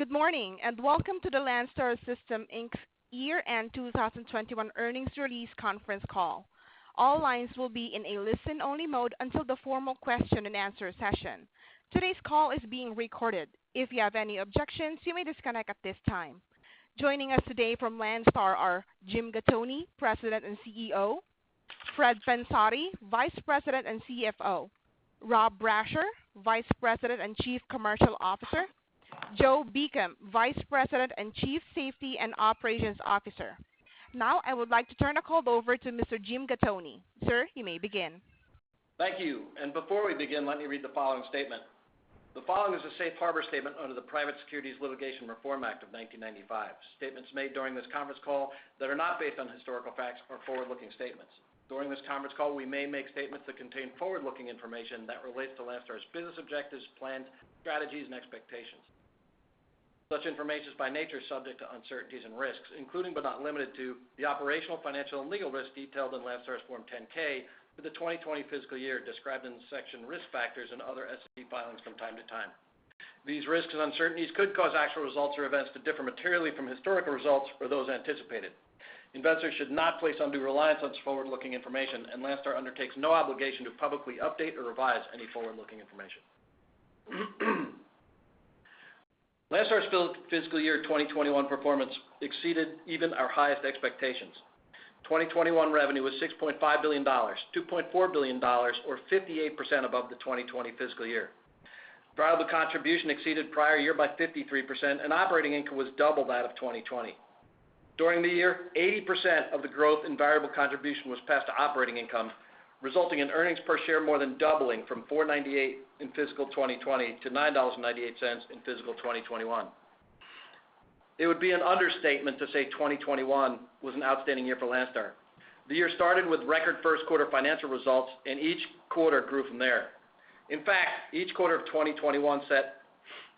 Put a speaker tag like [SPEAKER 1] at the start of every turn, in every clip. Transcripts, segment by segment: [SPEAKER 1] Good morning, and welcome to the Landstar System, Inc.'s year-end 2021 earnings release conference call. All lines will be in a listen-only mode until the formal question and answer session. Today's call is being recorded. If you have any objections, you may disconnect at this time. Joining us today from Landstar are Jim Gattoni, President and CEO; Fred Pensotti, Vice President and CFO; Rob Brasher, Vice President and Chief Commercial Officer; Joe Beacom, Vice President and Chief Safety and Operations Officer. Now I would like to turn the call over to Mr. Jim Gattoni. Sir, you may begin.
[SPEAKER 2] Thank you. Before we begin, let me read the following statement. The following is a safe harbor statement under the Private Securities Litigation Reform Act of 1995. Statements made during this conference call that are not based on historical facts are forward-looking statements. During this conference call, we may make statements that contain forward-looking information that relates to Landstar's business objectives, plans, strategies, and expectations. Such information is by nature subject to uncertainties and risks, including but not limited to the operational, financial, and legal risks detailed in Landstar's Form 10-K for the 2020 fiscal year described in the section Risk Factors and other SEC filings from time to time. These risks and uncertainties could cause actual results or events to differ materially from historical results or those anticipated. Investors should not place undue reliance on such forward-looking information, and Landstar undertakes no obligation to publicly update or revise any forward-looking information. Landstar's fiscal year 2021 performance exceeded even our highest expectations. 2021 revenue was $6.5 billion, $2.4 billion or 58% above the 2020 fiscal year. Variable contribution exceeded prior year by 53%, and operating income was double that of 2020. During the year, 80% of the growth in variable contribution was passed to operating income, resulting in earnings per share more than doubling from $4.98 in fiscal 2020 to $9.98 in fiscal 2021. It would be an understatement to say 2021 was an outstanding year for Landstar. The year started with record financial results and each quarter grew from there. In fact, each quarter of 2021 set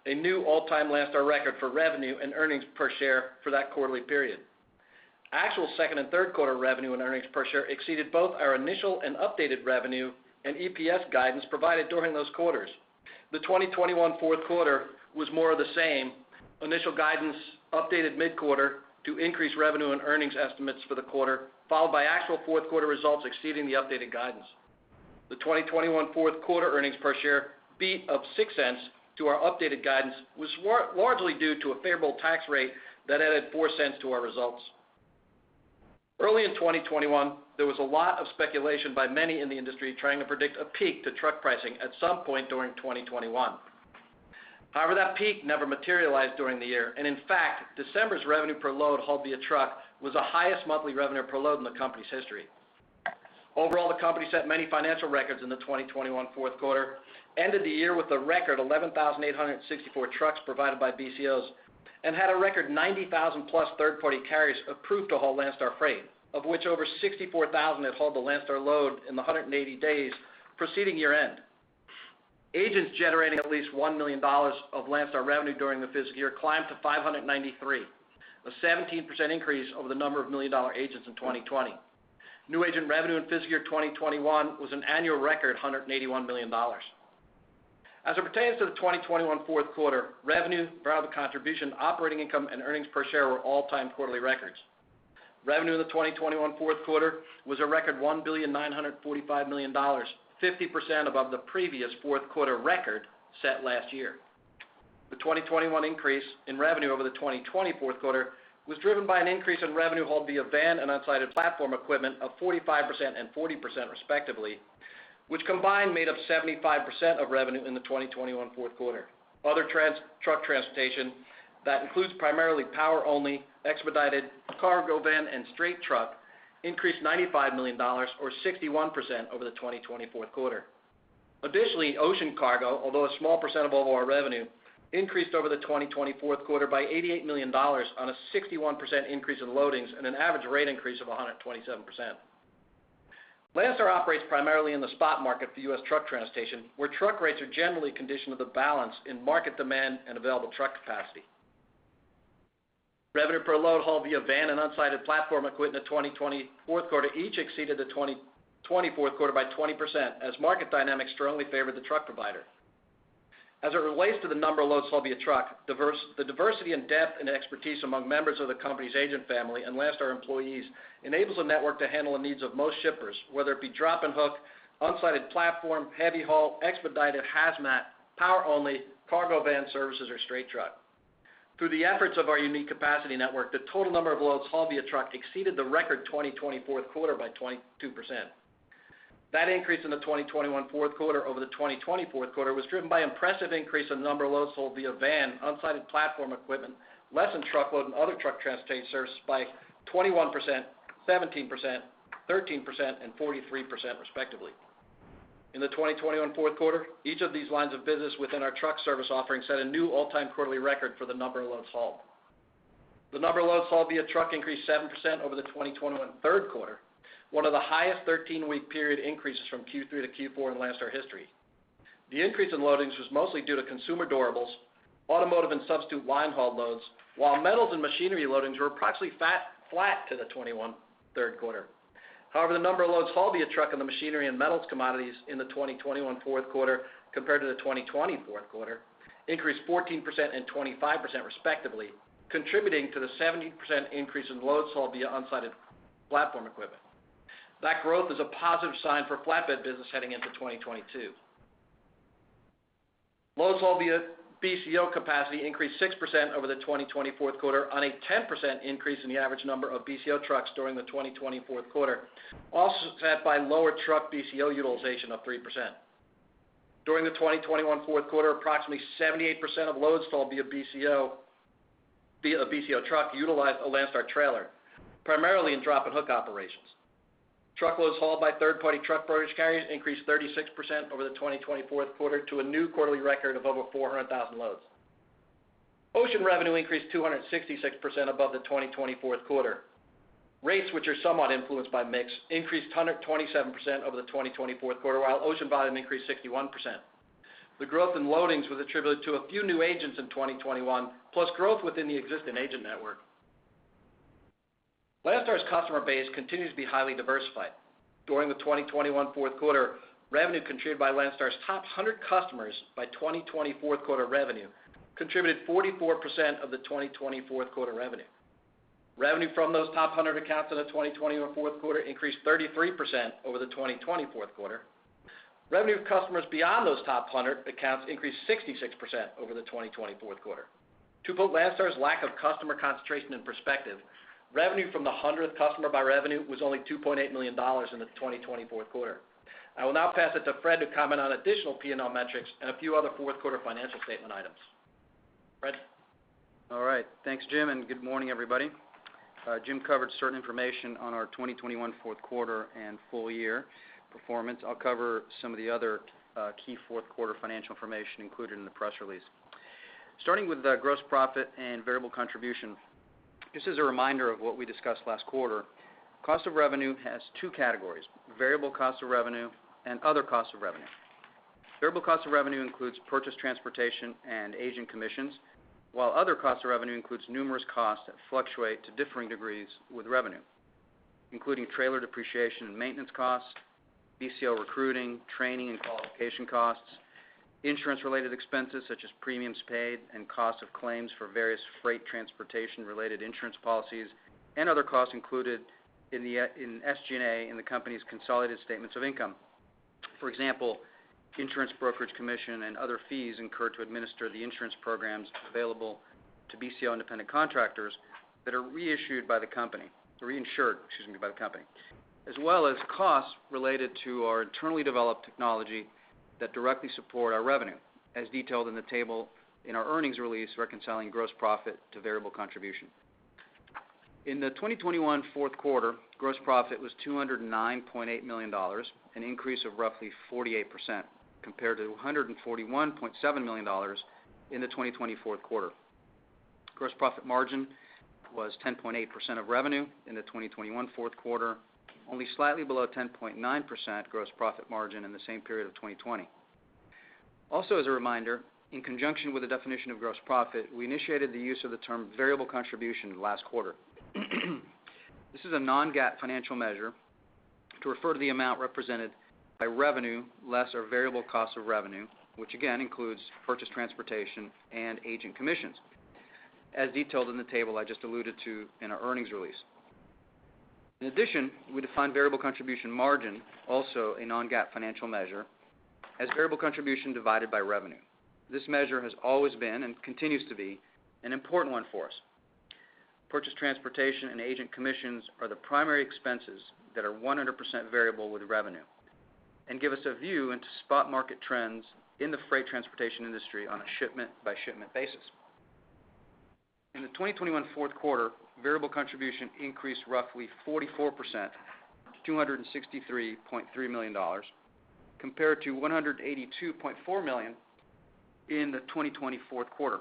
[SPEAKER 2] a new all-time Landstar record for revenue and earnings per share for that quarterly period. Actual second and Q3 revenue and earnings per share exceeded both our initial and updated revenue and EPS guidance provided during those quarters. The 2021 Q4 was more of the same. Initial guidance updated mid-quarter to increase revenue and earnings estimates for the quarter, followed by actual Q4 results exceeding the updated guidance. The 2021 Q4 earnings per share beat of $0.06 to our updated guidance was largely due to a favorable tax rate that added $0.04 to our results. Early in 2021, there was a lot of speculation by many in the industry trying to predict a peak to truck pricing at some point during 2021. However, that peak never materialized during the year, and in fact, December's revenue per load hauled via truck was the highest monthly revenue per load in the company's history. Overall, the company set many financial records in the 2021 Q4, ended the year with a record 11,864 trucks provided by BCOs and had a record 90,000-plus third-party carriers approved to haul Landstar freight, of which over 64,000 had hauled a Landstar load in the 180 days preceding year-end. Agents generating at least $1 million of Landstar revenue during the fiscal year climbed to 593, a 17% increase over the number of million-dollar agents in 2020. New agent revenue in fiscal year 2021 was an annual record $181 million. As it pertains to the 2021 Q4, revenue, variable contribution, operating income, and earnings per share were all-time quarterly records. Revenue in the 2021 Q4 was a record $1.945 billion, 50% above the previous Q4 record set last year. The 2021 increase in revenue over the 2020 Q4 was driven by an increase in revenue hauled via van and unsided platform equipment of 45% and 40% respectively, which combined made up 75% of revenue in the 2021 Q4. Other truck transportation that includes primarily power only, expedited cargo, van, and straight truck increased $95 million or 61% over the 2020 Q4. Additionally, ocean cargo, although a small percent of overall revenue, increased in the 2021 Q4 by $88 million on a 61% increase in loadings and an average rate increase of 127%. Landstar operates primarily in the spot market for U.S. truck transportation, where truck rates are generally conditioned to the balance in market demand and available truck capacity. Revenue per load hauled via van and unsided platform equipment in the 2020Q4 each exceeded the 2020 Q4 by 20% as market dynamics strongly favored the truck provider. As it relates to the number of loads hauled via truck, the diversity and depth and expertise among members of the company's agent family and Landstar employees enables the network to handle the needs of most shippers, whether it be drop and hook, unsided platform, heavy haul, expedited, hazmat, power only, cargo van services or straight truck. Through the efforts of our unique capacity network, the total number of loads hauled via truck exceeded the record 2020 Q4 by 22%. That increase in the 2021 Q4 over the 2020 Q4 was driven by impressive increase in number of loads hauled via van, unsided platform equipment, less than truckload and other truck transportation services by 21%, 17%, 13%, and 43% respectively. In the 2021 Q4, each of these lines of business within our truck service offering set a new all-time quarterly record for the number of loads hauled. The number of loads hauled via truck increased 7% over the 2021 Q3, one of the highest 13-week period increases from Q3 to Q4 in Landstar history. The increase in loadings was mostly due to consumer durables, automotive and substitute line haul loads, while metals and machinery loadings were approximately flat to the 2021 Q3. however, the number of loads hauled via truck in the machinery and metals commodities in the 2021 Q4 compared to the 2020 Q4 increased 14% and 25% respectively, contributing to the 70% increase in loads hauled via unsided platform equipment. That growth is a positive sign for flatbed business heading into 2022. Loads hauled via BCO capacity increased 6% over the 2020 Q4 on a 10% increase in the average number of BCO trucks during the 2020Q4, also offset by lower truck BCO utilization of 3%. During the 2021 Q4, approximately 78% of loads hauled via BCO, via a BCO truck utilized a Landstar trailer, primarily in drop and hook operations. Truckloads hauled by third-party truck brokerage carriers increased 36% over the 2020Q4 to a new quarterly record of over 400,000 loads. Ocean revenue increased 266% above the 2020 Q4. Rates, which are somewhat influenced by mix, increased 127% over the 2020 Q4, while ocean volume increased 61%. The growth in loadings was attributed to a few new agents in 2021, plus growth within the existing agent network. Landstar's customer base continues to be highly diversified. During the 2021 Q4, revenue contributed by Landstar's top 100 customers by 2020 Q4 revenue contributed 44% of the 2020 Q4 revenue. Revenue from those top 100 accounts in the 2021 Q4 increased 33% over the 2020 Q4. Revenue of customers beyond those top 100 accounts increased 66% over the 2020 Q4. To put Landstar's lack of customer concentration in perspective, revenue from the 100th customer by revenue was only $2.8 million in the 2020 Q4. I will now pass it to Fred to comment on additional P&L metrics and a few other Q4 financial statement items. Fred?
[SPEAKER 3] All right. Thanks, Jim, and good morning, everybody. Jim covered certain information on our 2021 Q4 and full year performance. I'll cover some of the other key Q4 financial information included in the press release. Starting with the gross profit and variable contribution, this is a reminder of what we discussed last quarter. Cost of revenue has two categories, variable cost of revenue and other cost of revenue. Variable cost of revenue includes purchased transportation and agent commissions, while other costs of revenue includes numerous costs that fluctuate to differing degrees with revenue, including trailer depreciation and maintenance costs, BCO recruiting, training, and qualification costs, insurance-related expenses such as premiums paid and cost of claims for various freight transportation-related insurance policies, and other costs included in SG&A in the company's consolidated statements of income. For example, insurance brokerage commission and other fees incurred to administer the insurance programs available to BCO independent contractors that are reissued by the company, or reinsured, excuse me, by the company. As well as costs related to our internally developed technology that directly support our revenue, as detailed in the table in our earnings release reconciling gross profit to variable contribution. In the 2021 Q4, gross profit was $209.8 million, an increase of roughly 48% compared to $141.7 million in the 2020 Q4. Gross profit margin was 10.8% of revenue in the 2021 Q4, only slightly below 10.9% gross profit margin in the same period of 2020. Also, as a reminder, in conjunction with the definition of gross profit, we initiated the use of the term variable contribution last quarter. This is a non-GAAP financial measure to refer to the amount represented by revenue less our variable cost of revenue, which again includes purchased transportation and agent commissions, as detailed in the table I just alluded to in our earnings release. In addition, we define variable contribution margin, also a non-GAAP financial measure, as variable contribution divided by revenue. This measure has always been and continues to be an important one for us. Purchased transportation and agent commissions are the primary expenses that are 100% variable with revenue and give us a view into spot market trends in the freight transportation industry on a shipment-by-shipment basis. In the 2021 Q4, variable contribution increased roughly 44% to $263.3 million, compared to $182.4 million in the 2020 Q4,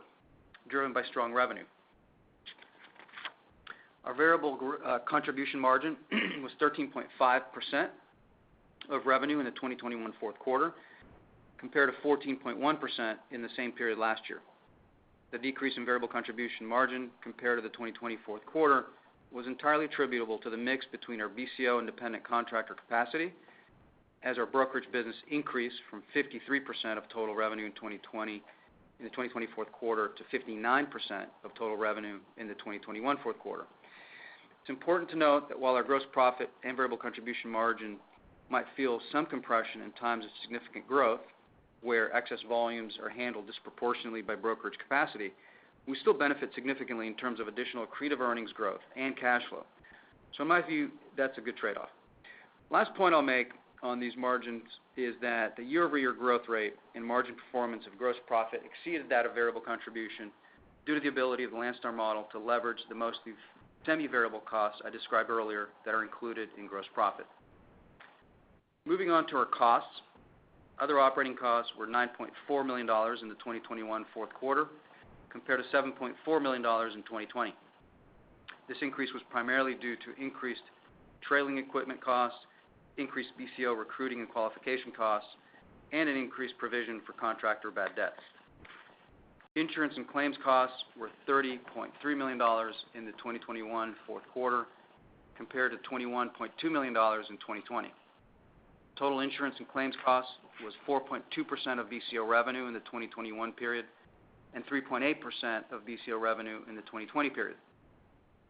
[SPEAKER 3] driven by strong revenue. Our variable contribution margin was 13.5% of revenue in the 2021 Q4, compared to 14.1% in the same period last year. The decrease in variable contribution margin compared to the 2020 Q4 was entirely attributable to the mix between our BCO independent contractor capacity, as our brokerage business increased from 53% of total revenue in 2020, in the 2020 Q4, to 59% of total revenue in the 2021 Q4. It's important to note that while our gross profit and variable contribution margin might feel some compression in times of significant growth where excess volumes are handled disproportionately by brokerage capacity, we still benefit significantly in terms of additional accretive earnings growth and cash flow. In my view, that's a good trade-off. Last point I'll make on these margins is that the year-over-year growth rate and margin performance of gross profit exceeded that of variable contribution due to the ability of the Landstar model to leverage the most of semi-variable costs I described earlier that are included in gross profit. Moving on to our costs. Other operating costs were $9.4 million in the 2021 Q4, compared to $7.4 million in 2020. This increase was primarily due to increased trailing equipment costs, increased BCO recruiting and qualification costs, and an increased provision for contractor bad debts. Insurance and claims costs were $30.3 million in the 2021 Q4, compared to $21.2 million in 2020. Total insurance and claims costs was 4.2% of BCO revenue in the 2021 period and 3.8% of BCO revenue in the 2020 period.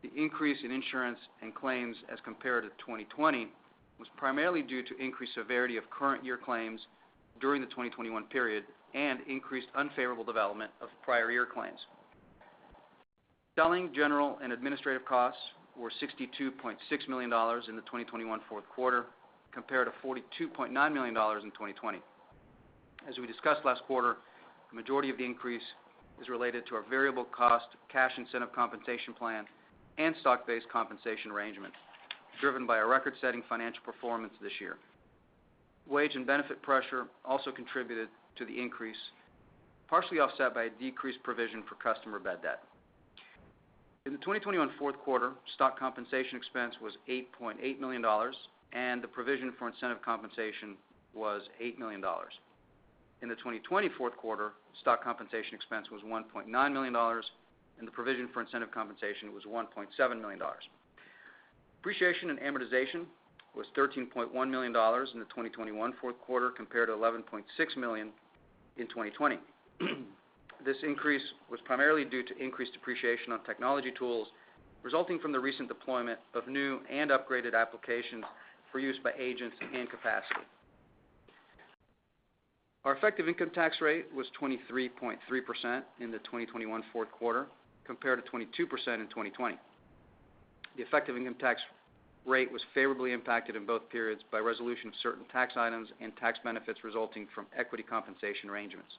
[SPEAKER 3] The increase in insurance and claims as compared to 2020 was primarily due to increased severity of current year claims during the 2021 period and increased unfavorable development of prior year claims. Selling, general, and administrative costs were $62.6 million in the 2021 Q4, compared to $42.9 million in 2020. As we discussed last quarter, the majority of the increase is related to our variable cost cash incentive compensation plan and stock-based compensation arrangement, driven by a record-setting financial performance this year. Wage and benefit pressure also contributed to the increase, partially offset by a decreased provision for customer bad debt. In the 2021 Q4, stock compensation expense was $8.8 million, and the provision for incentive compensation was $8 million. In the 2020 Q4, stock compensation expense was $1.9 million, and the provision for incentive compensation was $1.7 million. Depreciation and amortization was $13.1 million in the 2021 Q4, compared to $11.6 million in 2020. This increase was primarily due to increased depreciation on technology tools resulting from the recent deployment of new and upgraded applications for use by agents and capacity. Our effective income tax rate was 23.3% in the 2021 Q4, compared to 22% in 2020. The effective income tax rate was favorably impacted in both periods by resolution of certain tax items and tax benefits resulting from equity compensation arrangements.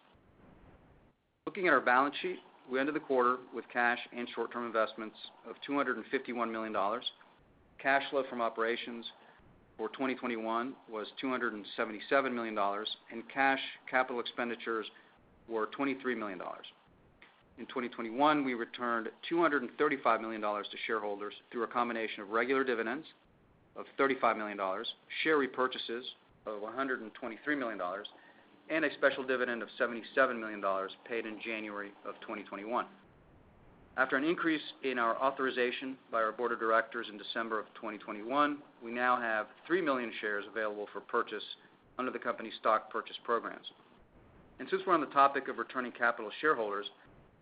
[SPEAKER 3] Looking at our balance sheet, we ended the quarter with cash and short-term investments of $251 million. Cash flow from operations for 2021 was $277 million, and cash capital expenditures were $23 million. In 2021, we returned $235 million to shareholders through a combination of regular dividends of $35 million, share repurchases of $123 million, and a special dividend of $77 million paid in January of 2021. After an increase in our authorization by our board of directors in December of 2021, we now have 3 million shares available for purchase under the company stock purchase programs. Since we're on the topic of returning capital to shareholders,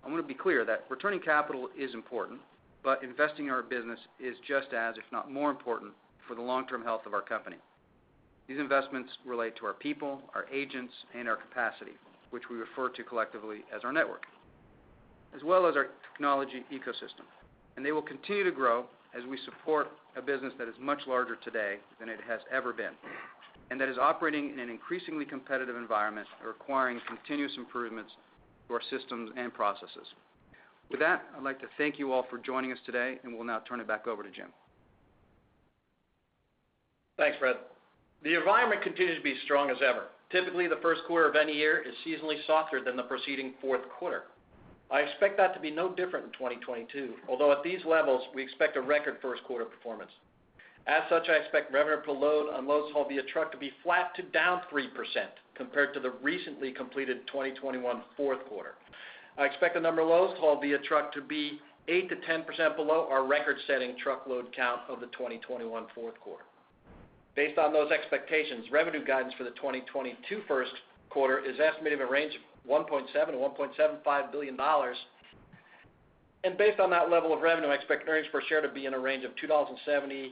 [SPEAKER 3] I want to be clear that returning capital is important, but investing in our business is just as, if not more important for the long-term health of our company. These investments relate to our people, our agents, and our capacity, which we refer to collectively as our network, as well as our technology ecosystem. They will continue to grow as we support a business that is much larger today than it has ever been, and that is operating in an increasingly competitive environment, requiring continuous improvements to our systems and processes. With that, I'd like to thank you all for joining us today, and we'll now turn it back over to Jim.
[SPEAKER 2] Thanks, Fred. The environment continues to be strong as ever. Typically, the Q1 of any year is seasonally softer than the preceding Q4. I expect that to be no different in 2022, although at these levels, we expect a record Q1 performance. As such, I expect revenue per load on loads hauled via truck to be flat to down 3% compared to the recently completed 2021 Q4. I expect the number of loads hauled via truck to be 8%-10% below our record-setting truckload count of the 2021 Q4. Based on those expectations, revenue guidance for the 2022 Q1 is estimated at a range of $1.7-$1.75 billion. Based on that level of revenue, I expect earnings per share to be in a range of $2.70-$2.80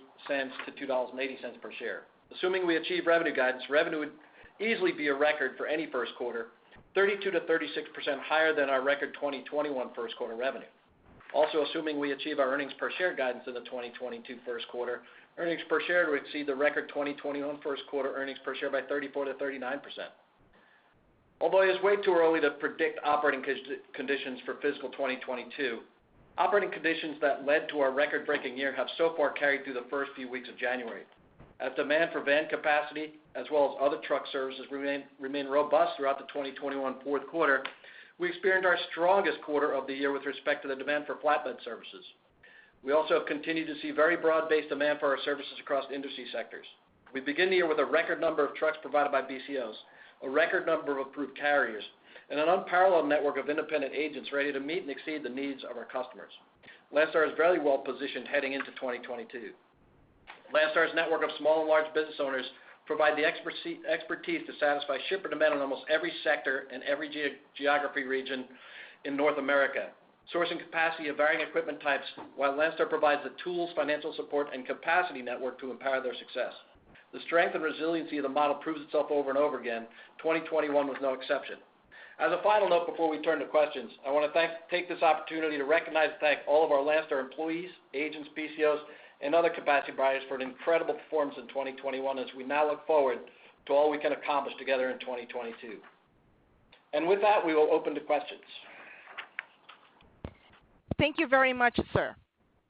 [SPEAKER 2] per share. Assuming we achieve revenue guidance, revenue would easily be a record for any Q1, 32%-36% higher than our record 2021 Q1 revenue. Also, assuming we achieve our earnings per share guidance in the 2022 Q1, earnings per share would exceed the record 2021 Q1 earnings per share by 34%-39%. Although it's way too early to predict operating conditions for fiscal 2022, operating conditions that led to our record-breaking year have so far carried through the first few weeks of January. As demand for van capacity as well as other truck services remain robust throughout the 2021 Q4, we experienced our strongest quarter of the year with respect to the demand for flatbed services. We also have continued to see very broad-based demand for our services across industry sectors. We begin the year with a record number of trucks provided by BCOs, a record number of approved carriers, and an unparalleled network of independent agents ready to meet and exceed the needs of our customers. Landstar is very well-positioned heading into 2022. Landstar's network of small and large business owners provide the expertise to satisfy shipper demand in almost every sector and every geography region in North America, sourcing capacity of varying equipment types while Landstar provides the tools, financial support, and capacity network to empower their success. The strength and resiliency of the model proves itself over and over again. 2021 was no exception. As a final note before we turn to questions, I want to take this opportunity to recognize and thank all of our Landstar employees, agents, BCOs, and other capacity providers for an incredible performance in 2021 as we now look forward to all we can accomplish together in 2022. With that, we will open to questions.
[SPEAKER 1] Thank you very much, sir.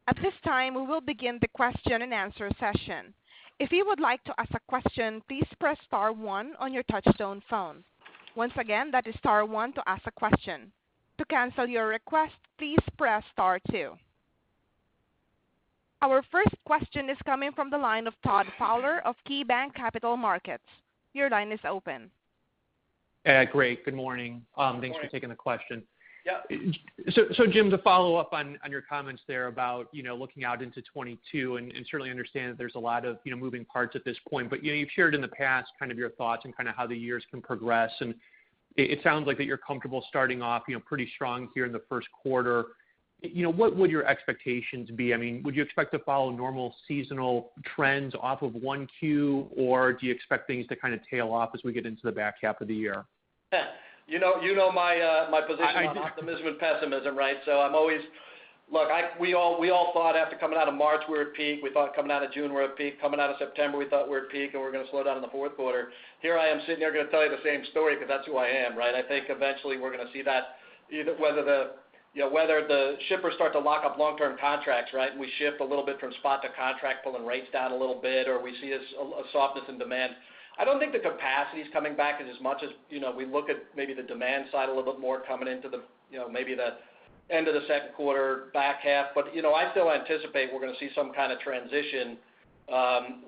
[SPEAKER 1] At this time, we will begin the question-and-answer session. If you would like to ask a question, please press star one on your touchtone phone. Once again, that is star one to ask a question. To cancel your request, please press star two. Our first question is coming from the line of Todd Fowler of KeyBanc Capital Markets. Your line is open.
[SPEAKER 4] Great. Good morning.
[SPEAKER 2] Good morning.
[SPEAKER 4] Thanks for taking the question.
[SPEAKER 2] Yeah.
[SPEAKER 4] Jim, to follow up on your comments there about you know looking out into 2022, and certainly understand that there's a lot of you know moving parts at this point. You know, you've shared in the past kind of your thoughts and kind of how the years can progress, and it sounds like that you're comfortable starting off you know pretty strong here in the Q1. You know, what would your expectations be? I mean, would you expect to follow normal seasonal trends off of one Q, or do you expect things to kind of tail off as we get into the back half of the year?
[SPEAKER 2] You know my position.
[SPEAKER 4] I do.
[SPEAKER 2] ...on optimism and pessimism, right? I'm always. Look, we all thought after coming out of March, we're at peak, we thought coming out of June we're at peak, coming out of September we thought we're at peak and we're going to slow down in the Q4. Here I am sitting here going to tell you the same story because that's who I am, right? I think eventually we're going to see that, the, you know, shippers start to lock up long-term contracts, right? We shift a little bit from spot to contract, pulling rates down a little bit, or we see a softness in demand. I don't think the capacity's coming back as much as, you know, we look at maybe the demand side a little bit more coming into the, you know, maybe the end of the Q2, back half. I still anticipate we're going to see some kind of transition,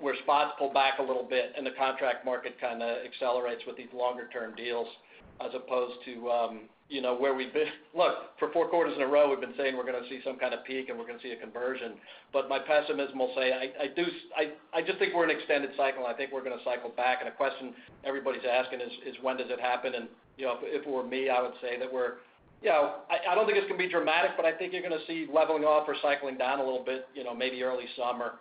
[SPEAKER 2] where spots pull back a little bit and the contract market kind of accelerates with these longer term deals as opposed to, you know, where we've been. Look, for four quarters in a row we've been saying we're going to see some kind of peak and we're going to see a conversion. My pessimism will say I just think we're in an extended cycle, and I think we're going to cycle back. The question everybody's asking is when does it happen? If it were me, I would say that we're... You know, I don't think it's going to be dramatic, but I think you're going to see leveling off or cycling down a little bit, you know, maybe early summer.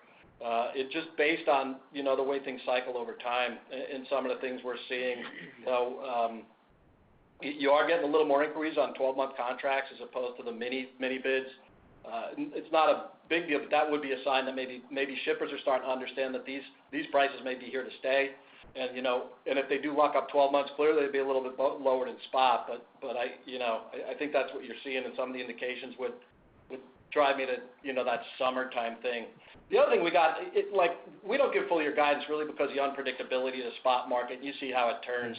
[SPEAKER 2] It's just based on, you know, the way things cycle over time and some of the things we're seeing. You are getting a little more inquiries on 12-month contracts as opposed to the mini bids. It's not a big deal, but that would be a sign that maybe shippers are starting to understand that these prices may be here to stay. You know, and if they do lock up 12 months, clearly they'd be a little bit lower than spot, but I, you know, I think that's what you're seeing, and some of the indications would drive me to, you know, that summertime thing. The other thing we got, it's like, we don't give full year guidance really because the unpredictability of the spot market, and you see how it turns.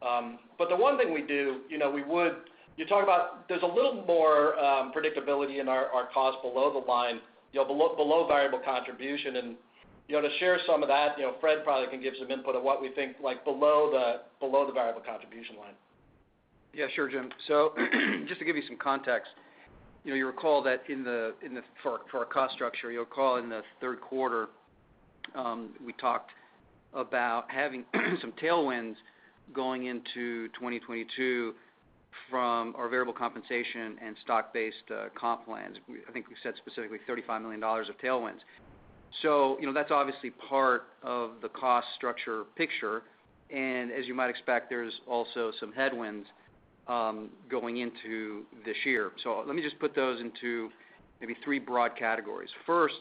[SPEAKER 2] But the one thing we do, you know. You talk about there's a little more predictability in our costs below the line, you know, below variable contribution. To share some of that, you know, Fred probably can give some input on what we think like below the variable contribution line.
[SPEAKER 3] Yeah. Sure, Jim. So just to give you some context, you know, you'll recall that in the Q3, for our cost structure, you'll recall in the Q3, we talked about having some tailwinds going into 2022 from our variable compensation and stock-based comp plans. I think we said specifically $35 million of tailwinds. So, you know, that's obviously part of the cost structure picture. As you might expect, there's also some headwinds going into this year. So let me just put those into maybe three broad categories. First,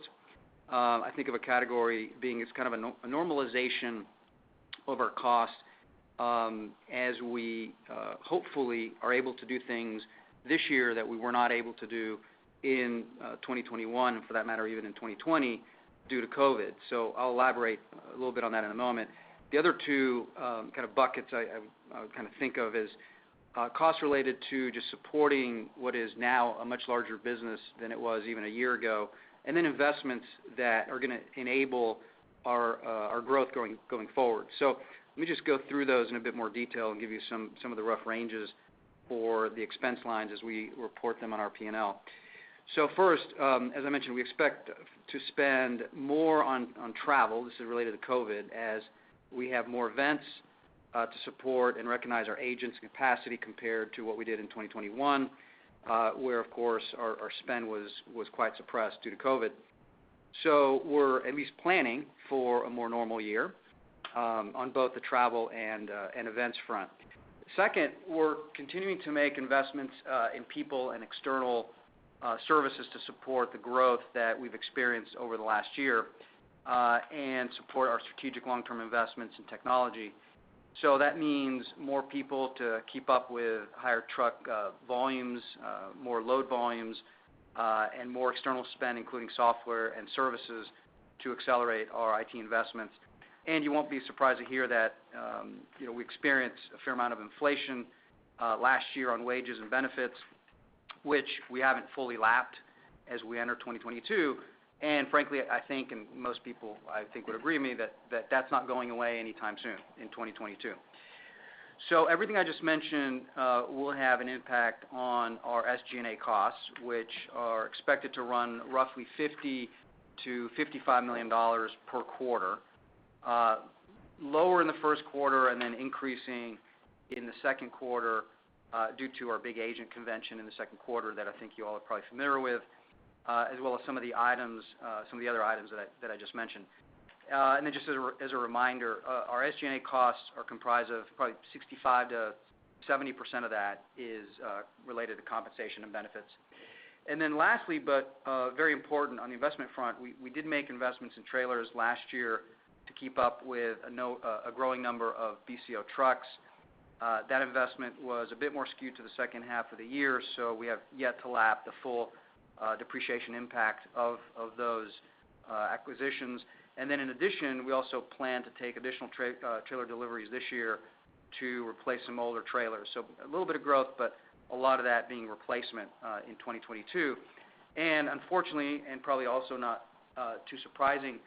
[SPEAKER 3] I think of a category being as kind of a normalization of our cost, as we hopefully are able to do things this year that we were not able to do in 2021, and for that matter, even in 2020 due to COVID. I'll elaborate a little bit on that in a moment. The other two kind of buckets I would kind of think of is costs related to just supporting what is now a much larger business than it was even a year ago, and then investments that are going to enable our growth going forward. Let me just go through those in a bit more detail and give you some of the rough ranges for the expense lines as we report them on our P&L. First, as I mentioned, we expect to spend more on travel. This is related to COVID, as we have more events to support and recognize our agents' capacity compared to what we did in 2021, where of course our spend was quite suppressed due to COVID. We're at least planning for a more normal year, on both the travel and events front. Second, we're continuing to make investments, in people and external services to support the growth that we've experienced over the last year, and support our strategic long-term investments in technology. That means more people to keep up with higher truck volumes, more load volumes, and more external spend, including software and services to accelerate our IT investments. You won't be surprised to hear that, you know, we experienced a fair amount of inflation last year on wages and benefits, which we haven't fully lapped as we enter 2022. Frankly, I think, and most people I think would agree with me, that that's not going away anytime soon in 2022. Everything I just mentioned will have an impact on our SG&A costs, which are expected to run roughly $50-$55 million per quarter. Lower in the Q1 and then increasing in the Q2 due to our big agent convention in the Q2 that I think you all are probably familiar with, as well as some of the other items that I just mentioned. Just as a reminder, our SG&A costs are comprised of probably 65%-70% of that is related to compensation and benefits. Very important on the investment front, we did make investments in trailers last year to keep up with a growing number of BCO trucks. That investment was a bit more skewed to the H2 of the year, so we have yet to lap the full depreciation impact of those acquisitions. In addition, we also plan to take additional trailer deliveries this year to replace some older trailers. A little bit of growth, but a lot of that being replacement in 2022. Unfortunately, and probably also not too surprising,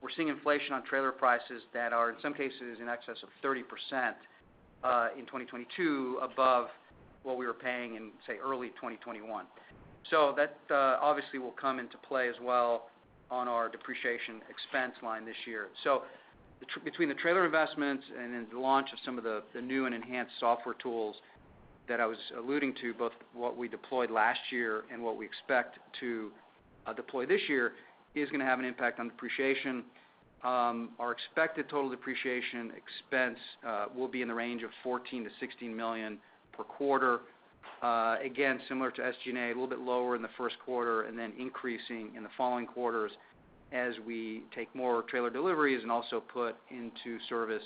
[SPEAKER 3] we're seeing inflation on trailer prices that are, in some cases, in excess of 30% in 2022 above what we were paying in, say, early 2021. That obviously will come into play as well on our depreciation expense line this year. Between the trailer investments and in the launch of some of the new and enhanced software tools that I was alluding to, both what we deployed last year and what we expect to deploy this year, is going to have an impact on depreciation. Our expected total depreciation expense will be in the range of $14-$16 million per quarter. Again, similar to SG&A, a little bit lower in the Q1, and then increasing in the following quarters as we take more trailer deliveries and also put into service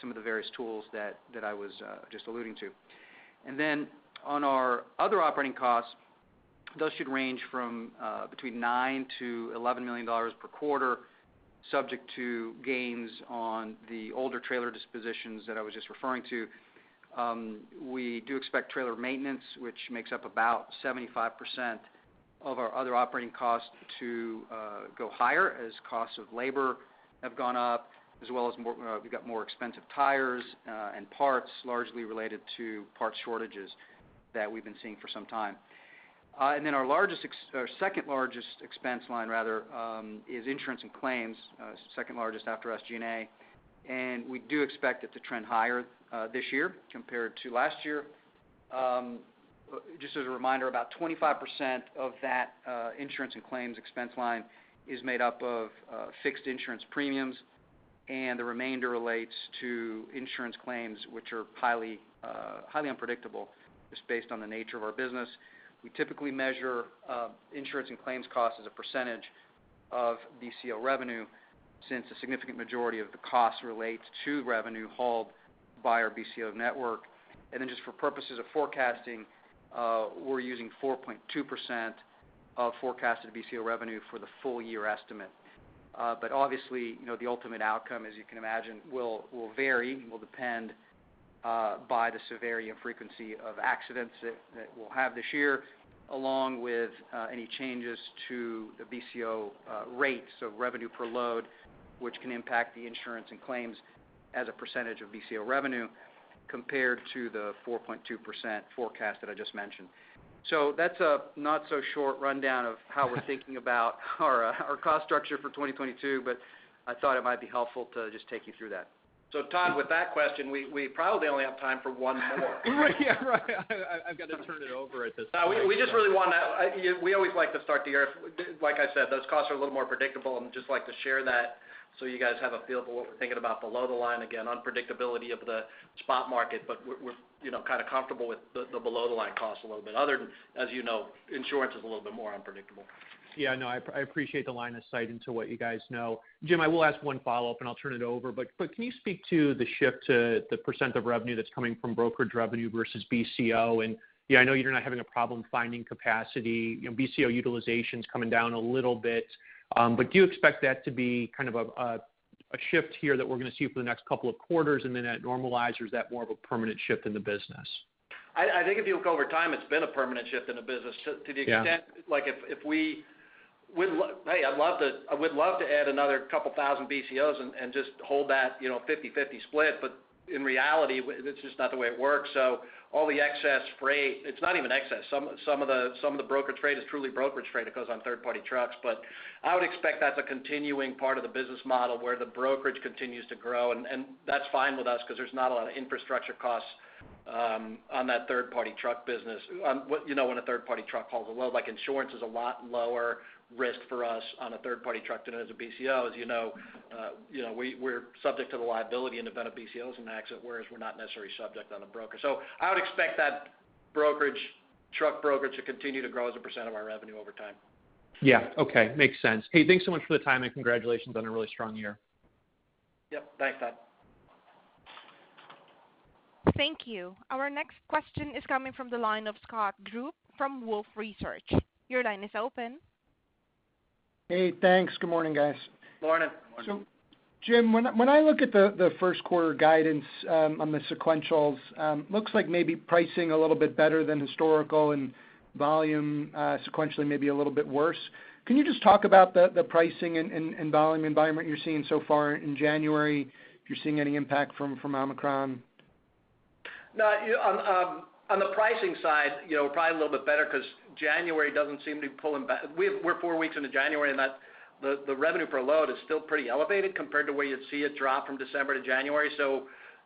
[SPEAKER 3] some of the various tools that I was just alluding to. Then on our other operating costs, those should range from between $9-$11 million per quarter, subject to gains on the older trailer dispositions that I was just referring to. We do expect trailer maintenance, which makes up about 75% of our other operating costs to go higher as costs of labor have gone up, as well as more, we've got more expensive tires, and parts largely related to parts shortages that we've been seeing for some time. Then our largest or second largest expense line rather is insurance and claims, second largest after SG&A, and we do expect it to trend higher this year compared to last year. Just as a reminder, about 25% of that insurance and claims expense line is made up of fixed insurance premiums, and the remainder relates to insurance claims, which are highly unpredictable just based on the nature of our business. We typically measure insurance and claims costs as a percentage of BCO revenue, since a significant majority of the cost relates to revenue hauled by our BCO network. Just for purposes of forecasting, we're using 4.2% of forecasted BCO revenue for the full year estimate. Obviously, you know, the ultimate outcome, as you can imagine, will vary, will depend by the severity and frequency of accidents that we'll have this year, along with any changes to the BCO rates, so revenue per load, which can impact the insurance and claims as a percentage of BCO revenue compared to the 4.2% forecast that I just mentioned. That's a not so short rundown of how we're thinking about our cost structure for 2022, but I thought it might be helpful to just take you through that. Todd, with that question, we probably only have time for one more.
[SPEAKER 4] Yeah, right. I've got to turn it over at this point.
[SPEAKER 2] We just really want to, you know, we always like to start the year. Like I said, those costs are a little more predictable, and just like to share that so you guys have a feel for what we're thinking about below the line. Again, unpredictability of the spot market, but we're, you know, kind of comfortable with the below the line costs a little bit. Other than, as you know, insurance is a little bit more unpredictable.
[SPEAKER 4] Yeah, no, I appreciate the line of sight into what you guys know. Jim, I will ask one follow-up, and I'll turn it over. Can you speak to the shift to the percent of revenue that's coming from brokerage revenue versus BCO? Yeah, I know you're not having a problem finding capacity. You know, BCO utilization's coming down a little bit. Do you expect that to be kind of a shift here that we're going to see for the next couple of quarters and then that normalizes, or is that more of a permanent shift in the business?
[SPEAKER 2] I think if you look over time, it's been a permanent shift in the business to the extent-
[SPEAKER 4] Yeah.
[SPEAKER 2] I would love to add another couple thousand BCOs and just hold that, you know, 50-50 split. In reality, that's just not the way it works. All the excess freight, it's not even excess. Some of the brokerage freight is truly brokerage freight. It goes on third-party trucks. I would expect that's a continuing part of the business model, where the brokerage continues to grow and that's fine with us because there's not a lot of infrastructure costs on that third-party truck business. You know, when a third-party truck hauls a load, like insurance is a lot lower risk for us on a third-party truck than it is a BCO. As you know, you know, we're subject to the liability in the event a BCO is in an accident, whereas we're not necessarily subject on a broker. I would expect that brokerage, truck brokerage to continue to grow as a percentage of our revenue over time.
[SPEAKER 4] Yeah. Okay. Makes sense. Hey, thanks so much for the time, and congratulations on a really strong year.
[SPEAKER 3] Yep. Thanks, Todd.
[SPEAKER 1] Thank you. Our next question is coming from the line of Scott Group from Wolfe Research. Your line is open.
[SPEAKER 5] Hey, thanks. Good morning, guys.
[SPEAKER 3] Morning.
[SPEAKER 2] Morning.
[SPEAKER 5] Jim, when I look at the Q1 guidance on the sequentials, looks like maybe pricing a little bit better than historical and volume sequentially maybe a little bit worse. Can you just talk about the pricing and volume environment you're seeing so far in January, if you're seeing any impact from Omicron?
[SPEAKER 3] No, you know, on the pricing side, you know, probably a little bit better 'cause January doesn't seem to be pulling back. We're four weeks into January, and the revenue per load is still pretty elevated compared to where you'd see it drop from December to January.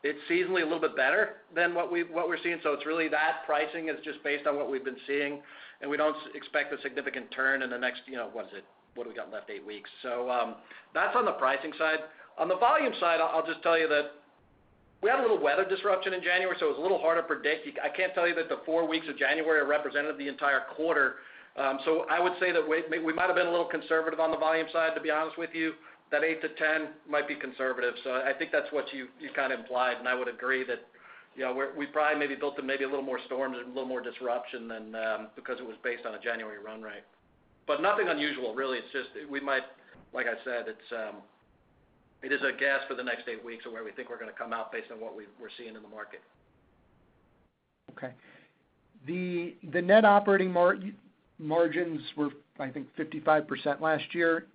[SPEAKER 3] It's seasonally a little bit better than what we're seeing. It's really that pricing is just based on what we've been seeing, and we don't expect a significant turn in the next, you know, what is it? What do we got left? Eight weeks. That's on the pricing side. On the volume side, I'll just tell you that we had a little weather disruption in January, so it was a little harder to predict. I can't tell you that the four weeks of January represented the entire quarter. I would say that we might have been a little conservative on the volume side, to be honest with you, that 8-10 might be conservative. I think that's what you kind of implied, and I would agree that-
[SPEAKER 2] Yeah, we probably maybe built in maybe a little more storms and a little more disruption than because it was based on a January run rate. Nothing unusual really. It's just Like I said, it is a guess for the next eight weeks of where we think we're going to come out based on what we're seeing in the market.
[SPEAKER 5] Okay. The net operating margins were, I think, 55% last year.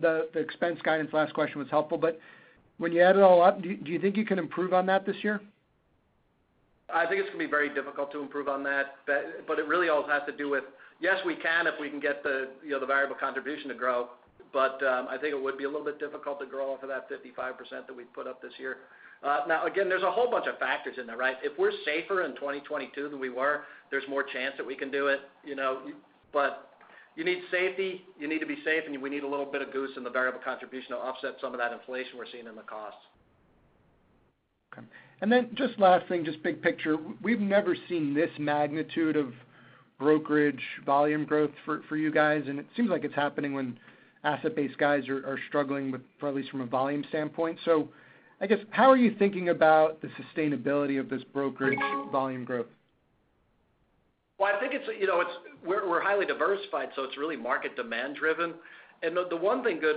[SPEAKER 5] The expense guidance last question was helpful, but when you add it all up, do you think you can improve on that this year?
[SPEAKER 2] I think it's going to be very difficult to improve on that. It really all has to do with, yes, we can if we can get the, you know, the variable contribution to grow, but I think it would be a little bit difficult to grow off of that 55% that we put up this year. Now again, there's a whole bunch of factors in there, right? If we're safer in 2022 than we were, there's more chance that we can do it, you know? You need safety, you need to be safe, and we need a little bit of goose in the variable contribution to offset some of that inflation we're seeing in the costs.
[SPEAKER 5] Okay. Just last thing, just big picture, we've never seen this magnitude of brokerage volume growth for you guys, and it seems like it's happening when asset-based guys are struggling with, or at least from a volume standpoint. I guess, how are you thinking about the sustainability of this brokerage volume growth?
[SPEAKER 2] Well, I think it's, you know, we're highly diversified, so it's really market demand driven. The one thing good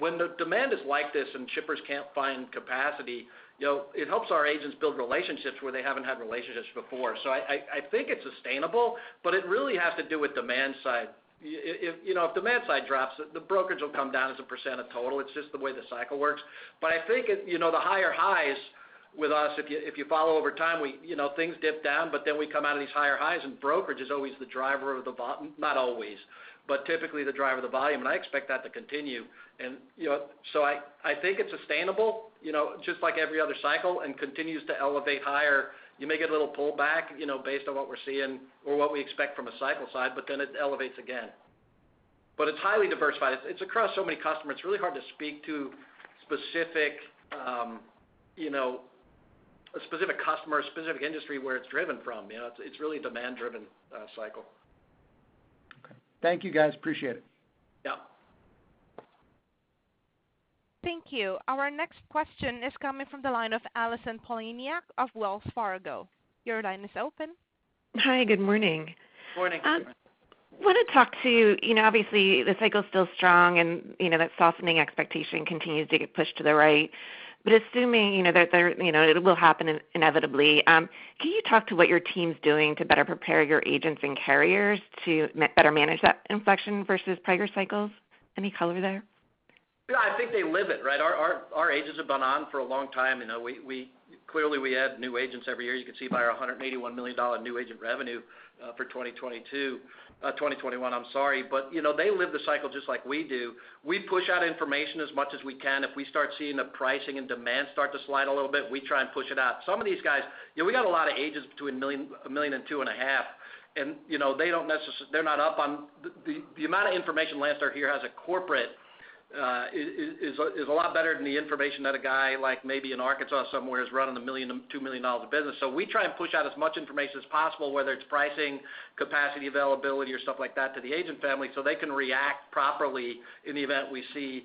[SPEAKER 2] when the demand is like this and shippers can't find capacity, you know, it helps our agents build relationships where they haven't had relationships before. I think it's sustainable, but it really has to do with demand side. If you know, if demand side drops, the brokerage will come down as a percent of total. It's just the way the cycle works. I think it, you know, the higher highs with us, if you follow over time, you know, things dip down, but then we come out of these higher highs, and brokerage is not always, but typically the driver of the volume. I expect that to continue. I think it's sustainable, you know, just like every other cycle and continues to elevate higher. You may get a little pullback, you know, based on what we're seeing or what we expect from a cycle side, but then it elevates again. It's highly diversified. It's across so many customers. It's really hard to speak to specific, you know, a specific customer or specific industry where it's driven from. You know, it's really a demand-driven cycle.
[SPEAKER 5] Okay. Thank you, guys. Appreciate it.
[SPEAKER 2] Yeah.
[SPEAKER 1] Thank you. Our next question is coming from the line of Allison Poliniak-Cusic of Wells Fargo. Your line is open.
[SPEAKER 6] Hi, good morning.
[SPEAKER 2] Morning.
[SPEAKER 6] Want to talk to, you know, obviously the cycle's still strong, and, you know, that softening expectation continues to get pushed to the right. Assuming, you know, that there, you know, it will happen inevitably, can you talk to what your team's doing to better prepare your agents and carriers to better manage that inflection versus prior cycles? Any color there?
[SPEAKER 2] Yeah, I think they live it, right? Our agents have been on for a long time. You know, we clearly add new agents every year. You can see by our $181 million new agent revenue for 2022, 2021, I'm sorry. You know, they live the cycle just like we do. We push out information as much as we can. If we start seeing the pricing and demand start to slide a little bit, we try and push it out. Some of these guys, you know, we got a lot of agents between $1 million and $2.5 million, and, you know, they're not up on... The amount of information Landstar here as a corporate is a lot better than the information that a guy like maybe in Arkansas somewhere is running $1 million, $2 million of business. We try and push out as much information as possible, whether it's pricing, capacity, availability or stuff like that to the agent family so they can react properly in the event we see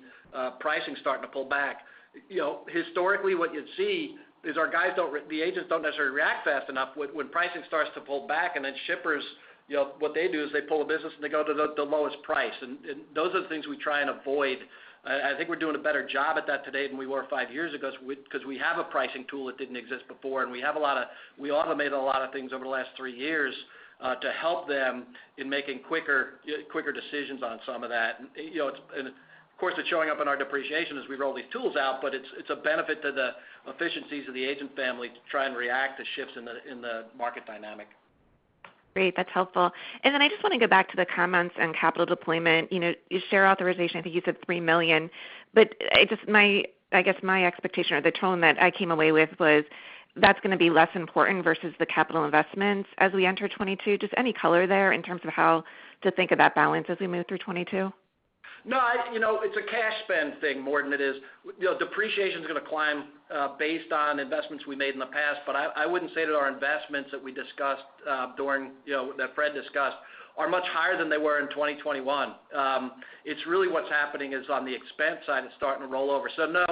[SPEAKER 2] pricing starting to pull back. You know, historically, what you'd see is the agents don't necessarily react fast enough when pricing starts to pull back, and then shippers, you know, what they do is they pull the business, and they go to the lowest price. Those are the things we try and avoid. I think we're doing a better job at that today than we were five years ago because we have a pricing tool that didn't exist before, and we automated a lot of things over the last three years to help them in making quicker decisions on some of that. You know, of course, it's showing up in our depreciation as we roll these tools out, but it's a benefit to the efficiencies of the agent family to try and react to shifts in the market dynamic.
[SPEAKER 6] Great. That's helpful. Then I just want to go back to the comments on capital deployment. You know, share authorization, I think you said 3 million, but it's just my, I guess, my expectation or the tone that I came away with was that's going to be less important versus the capital investments as we enter 2022. Just any color there in terms of how to think of that balance as we move through 2022?
[SPEAKER 2] No, you know, it's a cash spend thing more than it is. You know, depreciation is going to climb based on investments we made in the past, but I wouldn't say that our investments that we discussed during you know that Fred discussed are much higher than they were in 2021. It's really what's happening is on the expense side, it's starting to roll over. No,